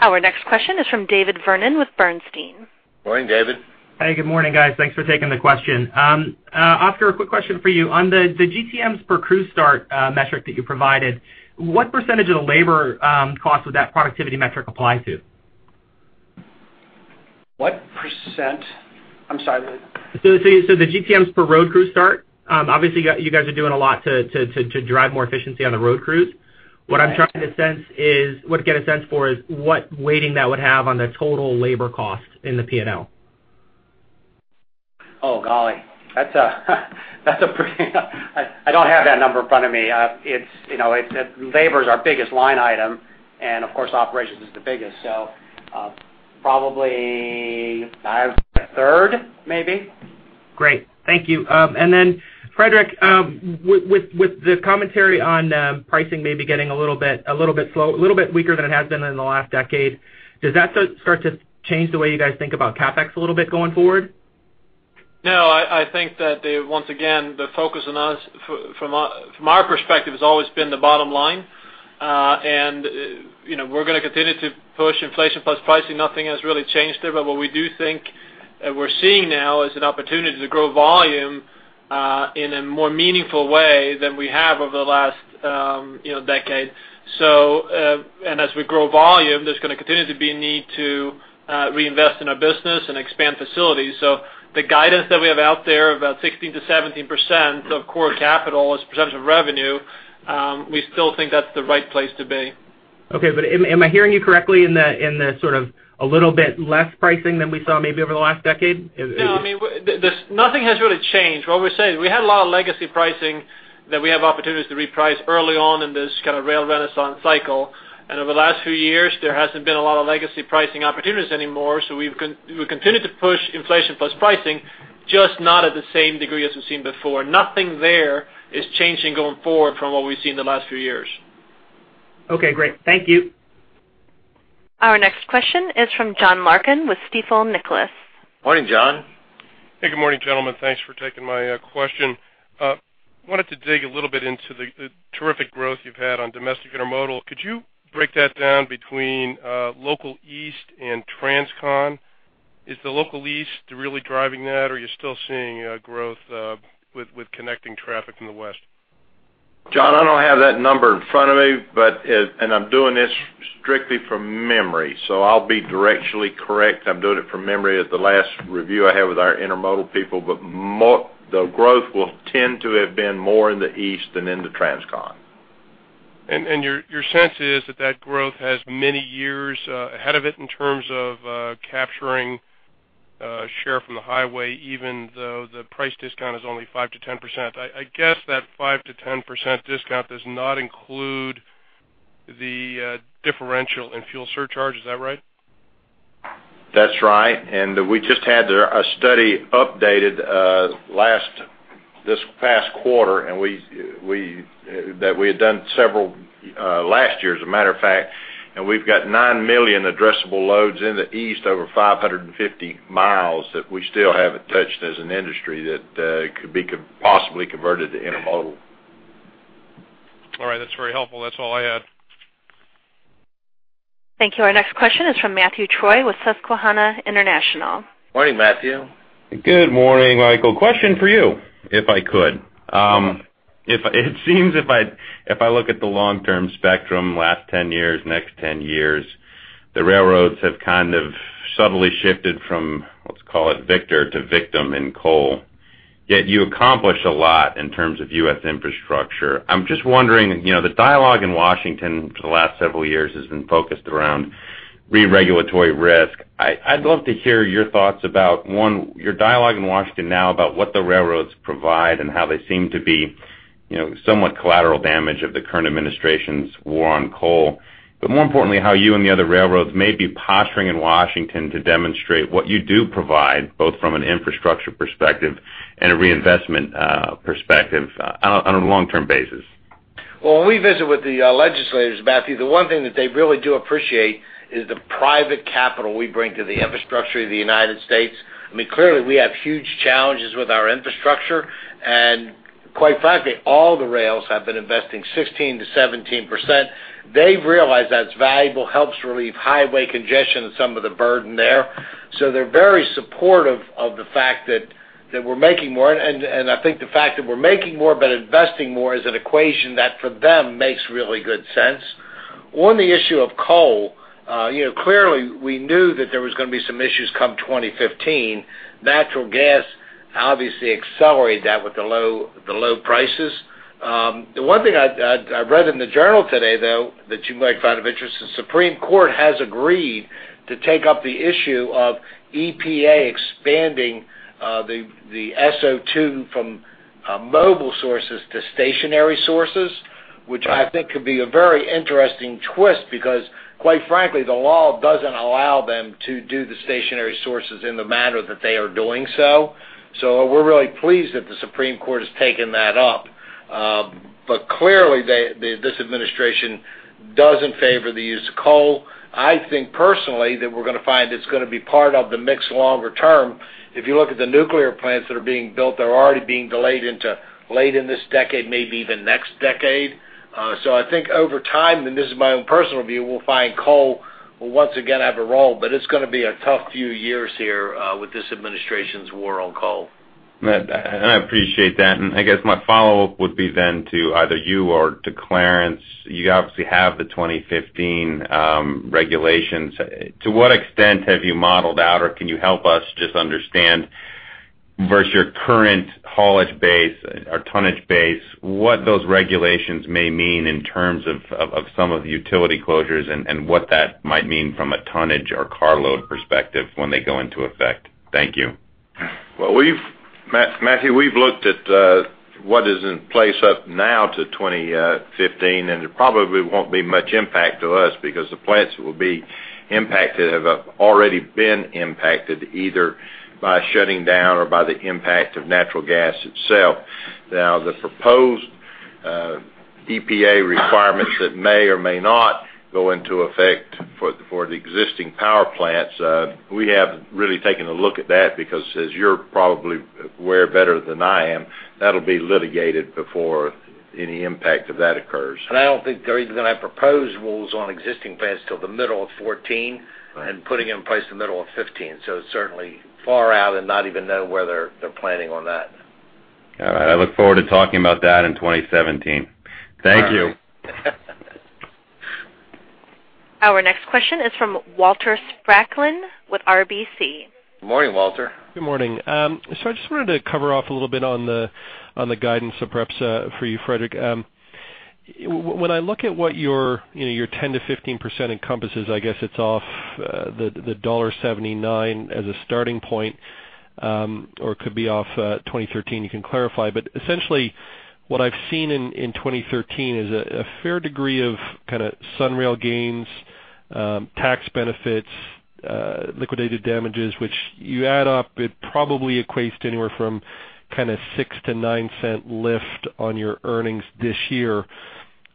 Our next question is from David Vernon with Bernstein. Morning, David. Hey. Good morning, guys. Thanks for taking the question. Oscar, a quick question for you. On the GTMs per crew start metric that you provided, what percentage of the labor costs would that productivity metric apply to? What percent? I'm sorry. So the GTMs per road crew start? Obviously, you guys are doing a lot to drive more efficiency on the road crews. What I'm trying to sense is what to get a sense for is what weighting that would have on the total labor cost in the P&L. Oh, golly. I don't have that number in front of me. Labor is our biggest line item, and of course, operations is the biggest, so probably a third, maybe. Great. Thank you. And then, Fredrik, with the commentary on pricing maybe getting a little bit slow, a little bit weaker than it has been in the last decade, does that start to change the way you guys think about CapEx a little bit going forward? No. I think that, once again, the focus on us, from our perspective, has always been the bottom line. And we're going to continue to push inflation plus pricing. Nothing has really changed there. But what we do think that we're seeing now is an opportunity to grow volume in a more meaningful way than we have over the last decade. And as we grow volume, there's going to continue to be a need to reinvest in our business and expand facilities. So the guidance that we have out there, about 16%-17% of core capital as percentage of revenue, we still think that's the right place to be. Okay. But am I hearing you correctly in the sort of a little bit less pricing than we saw maybe over the last decade? No. I mean, nothing has really changed. What we're saying, we had a lot of legacy pricing that we have opportunities to reprice early on in this kind of rail renaissance cycle. Over the last few years, there hasn't been a lot of legacy pricing opportunities anymore. We continue to push inflation plus pricing, just not at the same degree as we've seen before. Nothing there is changing going forward from what we've seen the last few years. Okay. Great. Thank you. Our next question is from John Larkin with Stifel Nicolaus. Morning, John. Hey. Good morning, gentlemen. Thanks for taking my question. I wanted to dig a little bit into the terrific growth you've had on domestic intermodal. Could you break that down between Local East and Transcon? Is the Local East really driving that, or are you still seeing growth with connecting traffic from the west? John, I don't have that number in front of me, and I'm doing this strictly from memory. So I'll be directionally correct. I'm doing it from memory at the last review I had with our intermodal people. But the growth will tend to have been more in the east than in the Transcon. Your sense is that that growth has many years ahead of it in terms of capturing share from the highway, even though the price discount is only 5%-10%? I guess that 5%-10% discount does not include the differential in fuel surcharge. Is that right? That's right. We just had a study updated this past quarter that we had done several years ago, as a matter of fact. We've got 9 million addressable loads in the East over 550 miles that we still haven't touched as an industry that could possibly be converted to intermodal. All right. That's very helpful. That's all I had. Thank you. Our next question is from Matthew Troy with Susquehanna International. Morning, Matthew. Good morning, Michael. Question for you, if I could. It seems if I look at the long-term spectrum, last 10 years, next 10 years, the railroads have kind of subtly shifted from, let's call it, victor to victim in coal. Yet you accomplish a lot in terms of U.S. infrastructure. I'm just wondering, the dialogue in Washington for the last several years has been focused around reregulatory risk. I'd love to hear your thoughts about, one, your dialogue in Washington now about what the railroads provide and how they seem to be somewhat collateral damage of the current administration's war on coal, but more importantly, how you and the other railroads may be posturing in Washington to demonstrate what you do provide, both from an infrastructure perspective and a reinvestment perspective, on a long-term basis. Well, when we visit with the legislators, Matthew, the one thing that they really do appreciate is the private capital we bring to the infrastructure of the United States. I mean, clearly, we have huge challenges with our infrastructure. Quite frankly, all the rails have been investing 16%-17%. They've realized that's valuable, helps relieve highway congestion and some of the burden there. So they're very supportive of the fact that we're making more. And I think the fact that we're making more but investing more is an equation that, for them, makes really good sense. On the issue of coal, clearly, we knew that there was going to be some issues come 2015. Natural gas, obviously, accelerated that with the low prices. The one thing I read in the journal today, though, that you might find of interest, the Supreme Court has agreed to take up the issue of EPA expanding the SO2 from mobile sources to stationary sources, which I think could be a very interesting twist because, quite frankly, the law doesn't allow them to do the stationary sources in the manner that they are doing so. So we're really pleased that the Supreme Court has taken that up. But clearly, this administration doesn't favor the use of coal. I think, personally, that we're going to find it's going to be part of the mix longer term. If you look at the nuclear plants that are being built, they're already being delayed into late in this decade, maybe even next decade. So I think over time - and this is my own personal view - we'll find coal will, once again, have a role. But it's going to be a tough few years here with this administration's war on coal. I appreciate that. I guess my follow-up would be then to either you or to Clarence. You obviously have the 2015 regulations. To what extent have you modeled out, or can you help us just understand, versus your current haulage base or tonnage base, what those regulations may mean in terms of some of the utility closures and what that might mean from a tonnage or carload perspective when they go into effect? Thank you. Well, Matthew, we've looked at what is in place up now to 2015. There probably won't be much impact to us because the plants that will be impacted have already been impacted either by shutting down or by the impact of natural gas itself. Now, the proposed EPA requirements that may or may not go into effect for the existing power plants, we have really taken a look at that because, as you're probably aware better than I am, that'll be litigated before any impact of that occurs. I don't think they're even going to have proposals on existing plants till the middle of 2014 and putting it in place in the middle of 2015. It's certainly far out and not even know where they're planning on that. All right. I look forward to talking about that in 2017. Thank you. All right. Our next question is from Walter Spracklin with RBC. Good morning, Walter. Good morning. So I just wanted to cover off a little bit on the guidance, perhaps, for you, Fredrik. When I look at what your 10%-15% encompasses, I guess it's off the $1.79 as a starting point, or it could be off 2013. You can clarify. But essentially, what I've seen in 2013 is a fair degree of kind of SunRail gains, tax benefits, liquidated damages, which you add up, it probably equates to anywhere from kind of $0.06-$0.09 lift on your earnings this year.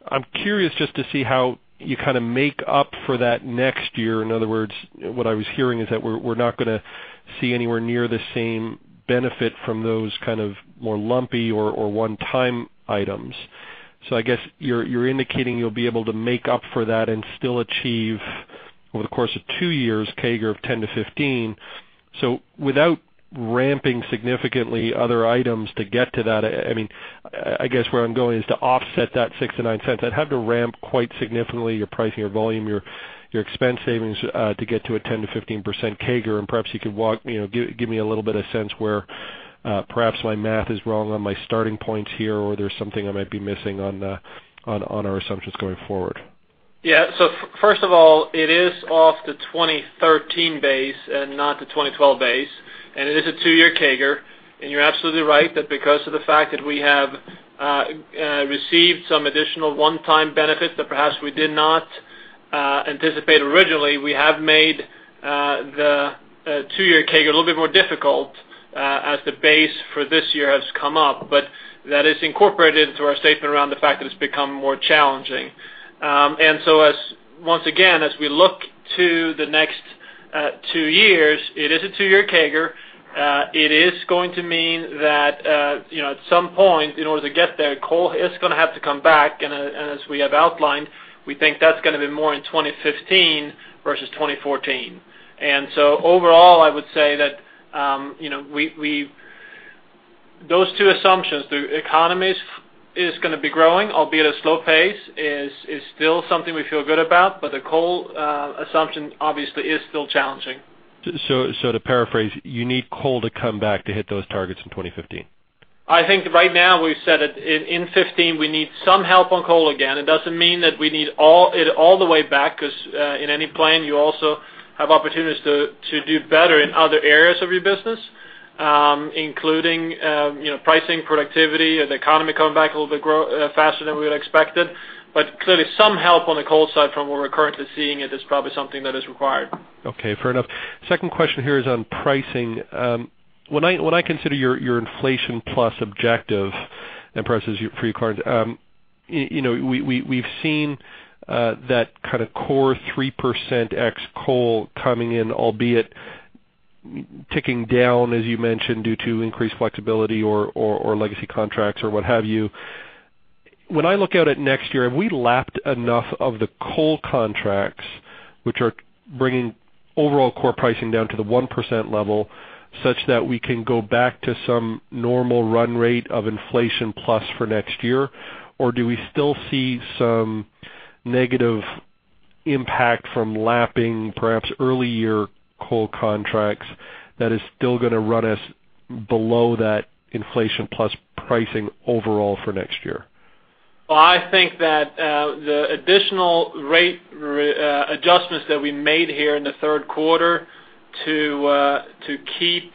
I'm curious just to see how you kind of make up for that next year. In other words, what I was hearing is that we're not going to see anywhere near the same benefit from those kind of more lumpy or one-time items. So I guess you're indicating you'll be able to make up for that and still achieve, over the course of two years, CAGR of 10-15. So without ramping significantly other items to get to that I mean, I guess where I'm going is to offset that $0.06-$0.09. I'd have to ramp quite significantly your pricing, your volume, your expense savings to get to a 10%-15% CAGR. And perhaps you could give me a little bit of sense where perhaps my math is wrong on my starting points here, or there's something I might be missing on our assumptions going forward. Yeah. So first of all, it is off the 2013 base and not the 2012 base. It is a 2-year CAGR. And you're absolutely right that because of the fact that we have received some additional one-time benefits that perhaps we did not anticipate originally, we have made the 2-year CAGR a little bit more difficult as the base for this year has come up. But that is incorporated into our statement around the fact that it's become more challenging. So once again, as we look to the next 2 years, it is a 2-year CAGR. It is going to mean that at some point, in order to get there, coal is going to have to come back. And as we have outlined, we think that's going to be more in 2015 versus 2014. And so overall, I would say that those two assumptions, the economy is going to be growing, albeit at a slow pace, is still something we feel good about. But the coal assumption, obviously, is still challenging. So to paraphrase, you need coal to come back to hit those targets in 2015? I think right now, we've said that in 2015, we need some help on coal again. It doesn't mean that we need it all the way back because in any plan, you also have opportunities to do better in other areas of your business, including pricing, productivity, the economy coming back a little bit faster than we would have expected. But clearly, some help on the coal side from what we're currently seeing it is probably something that is required. Okay. Fair enough. Second question here is on pricing. When I consider your inflation-plus objective and prices for your cars, we've seen that kind of core 3% ex-coal coming in, albeit ticking down, as you mentioned, due to increased flexibility or legacy contracts or what have you. When I look out at next year, have we lapped enough of the coal contracts, which are bringing overall core pricing down to the 1% level, such that we can go back to some normal run rate of inflation-plus for next year? Or do we still see some negative impact from lapping, perhaps, early-year coal contracts that is still going to run us below that inflation-plus pricing overall for next year? Well, I think that the additional rate adjustments that we made here in the third quarter to keep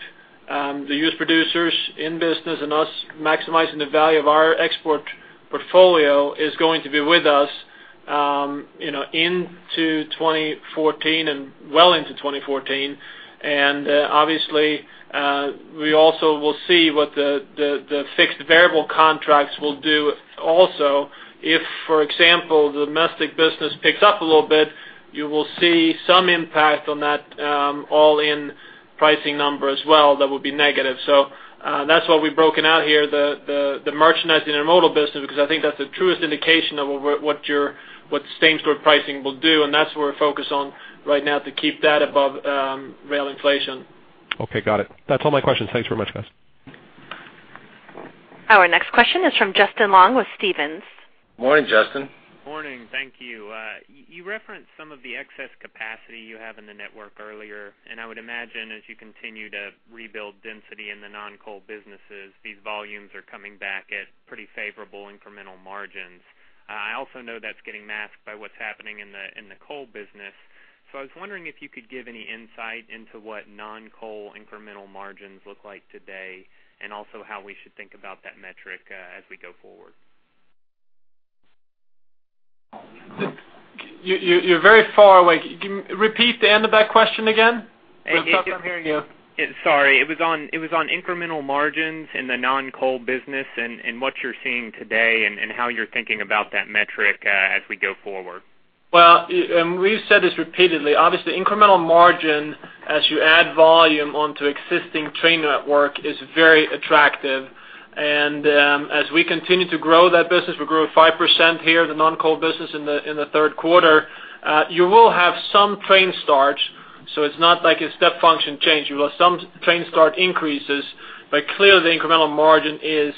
the U.S. producers in business and us maximizing the value of our export portfolio is going to be with us into 2014 and well into 2014. And obviously, we also will see what the fixed-to-variable contracts will do also. If, for example, the domestic business picks up a little bit, you will see some impact on that all-in pricing number as well that will be negative. So that's why we've broken out here, the merchandise intermodal business, because I think that's the truest indication of what core pricing will do. And that's where we're focused on right now to keep that above rail inflation. Okay. Got it. That's all my questions. Thanks very much, guys. Our next question is from Justin Long with Stephens. Morning, Justin. Morning. Thank you. You referenced some of the excess capacity you have in the network earlier. I would imagine, as you continue to rebuild density in the non-coal businesses, these volumes are coming back at pretty favorable incremental margins. I also know that's getting masked by what's happening in the coal business. So I was wondering if you could give any insight into what non-coal incremental margins look like today and also how we should think about that metric as we go forward. You're very far away. Repeat the end of that question again. The last time I'm hearing you. Sorry. It was on incremental margins in the non-coal business and what you're seeing today and how you're thinking about that metric as we go forward. Well, and we've said this repeatedly. Obviously, incremental margin, as you add volume onto existing train network, is very attractive. And as we continue to grow that business, we grew 5% here, the non-coal business, in the third quarter, you will have some train starts. So it's not like a step function change. You will have some train start increases. But clearly, the incremental margin is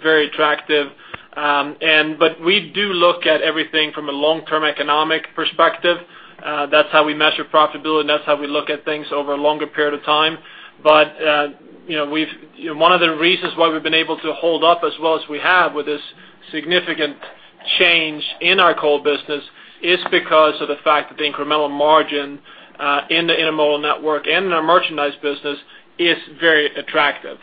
very attractive. But we do look at everything from a long-term economic perspective. That's how we measure profitability. And that's how we look at things over a longer period of time. One of the reasons why we've been able to hold up as well as we have with this significant change in our coal business is because of the fact that the incremental margin in the intermodal network and in our merchandise business is very attractive.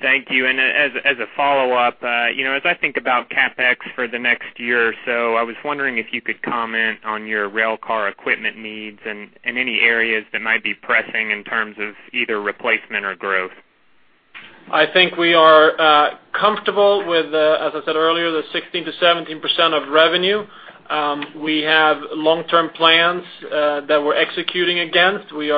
Thank you. As a follow-up, as I think about CapEx for the next year or so, I was wondering if you could comment on your railcar equipment needs and any areas that might be pressing in terms of either replacement or growth. I think we are comfortable with, as I said earlier, the 16%-17% of revenue. We have long-term plans that we're executing against. We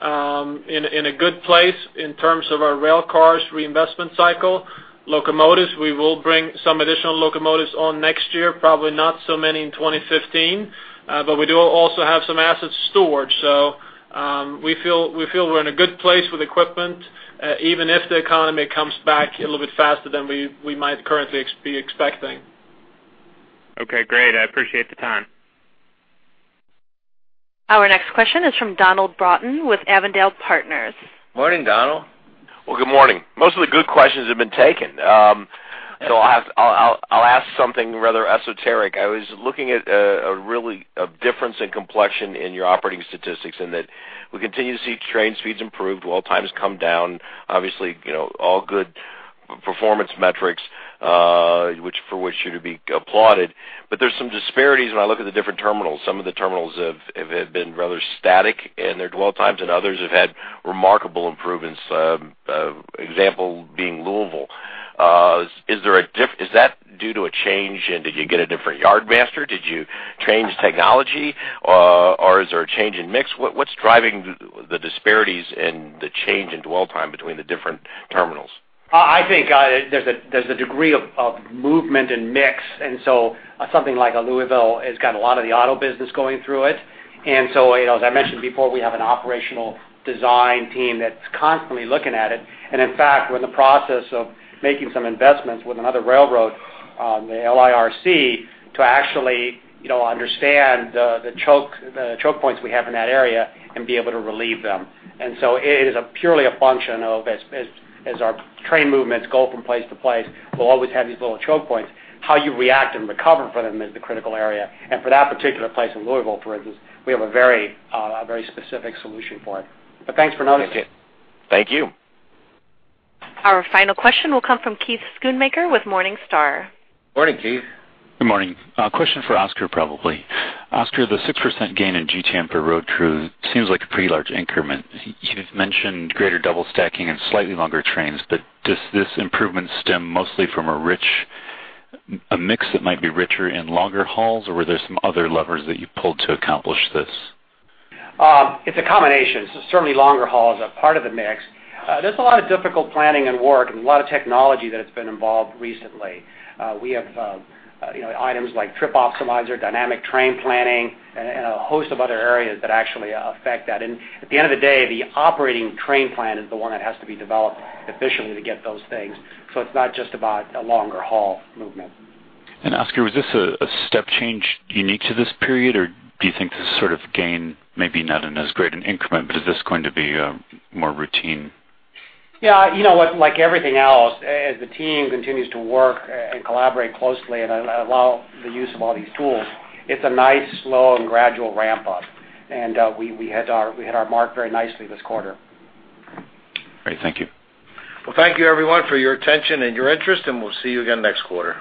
are in a good place in terms of our railcars reinvestment cycle. Locomotives, we will bring some additional locomotives on next year, probably not so many in 2015. But we do also have some assets stored. So we feel we're in a good place with equipment, even if the economy comes back a little bit faster than we might currently be expecting. Okay. Great. I appreciate the time. Our next question is from Donald Broughton with Avondale Partners. Morning, Donald. Well, good morning. Most of the good questions have been taken. So I'll ask something rather esoteric. I was looking at a difference in complexion in your operating statistics in that we continue to see train speeds improve while times come down. Obviously, all good performance metrics for which you to be applauded. But there's some disparities when I look at the different terminals. Some of the terminals have been rather static in their dwell times, and others have had remarkable improvements, example being Louisville. Is that due to a change? Did you get a different yardmaster? Did you change technology? Or is there a change in mix? What's driving the disparities in the change in dwell time between the different terminals? I think there's a degree of movement in mix. And so something like Louisville has got a lot of the auto business going through it. And so, as I mentioned before, we have an operational design team that's constantly looking at it. And in fact, we're in the process of making some investments with another railroad, the LIRC, to actually understand the choke points we have in that area and be able to relieve them. And so it is purely a function of, as our train movements go from place to place, we'll always have these little choke points. How you react and recover from them is the critical area. And for that particular place in Louisville, for instance, we have a very specific solution for it. But thanks for noticing. Thank you. Our final question will come from Keith Schoonmaker with Morningstar. Morning, Keith. Good morning. Question for Oscar, probably. Oscar, the 6% gain in GTM per road crew seems like a pretty large increment. You've mentioned greater double stacking and slightly longer trains. But does this improvement stem mostly from a mix that might be richer in longer hauls? Or were there some other levers that you pulled to accomplish this? It's a combination. Certainly, longer hauls are part of the mix. There's a lot of difficult planning and work and a lot of technology that has been involved recently. We have items like Trip Optimizer, Dynamic Train Planning, and a host of other areas that actually affect that. And at the end of the day, the operating train plan is the one that has to be developed efficiently to get those things. So it's not just about a longer haul movement. And Oscar, was this a step change unique to this period? Or do you think this sort of gain may be not in as great an increment? But is this going to be more routine? Yeah. You know what? Like everything else, as the team continues to work and collaborate closely and allow the use of all these tools, it's a nice, slow, and gradual ramp-up. And we hit our mark very nicely this quarter. Great. Thank you. Well, thank you, everyone, for your attention and your interest. And we'll see you again next quarter.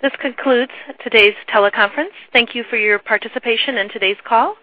This concludes today's teleconference. Thank you for your participation in today's call.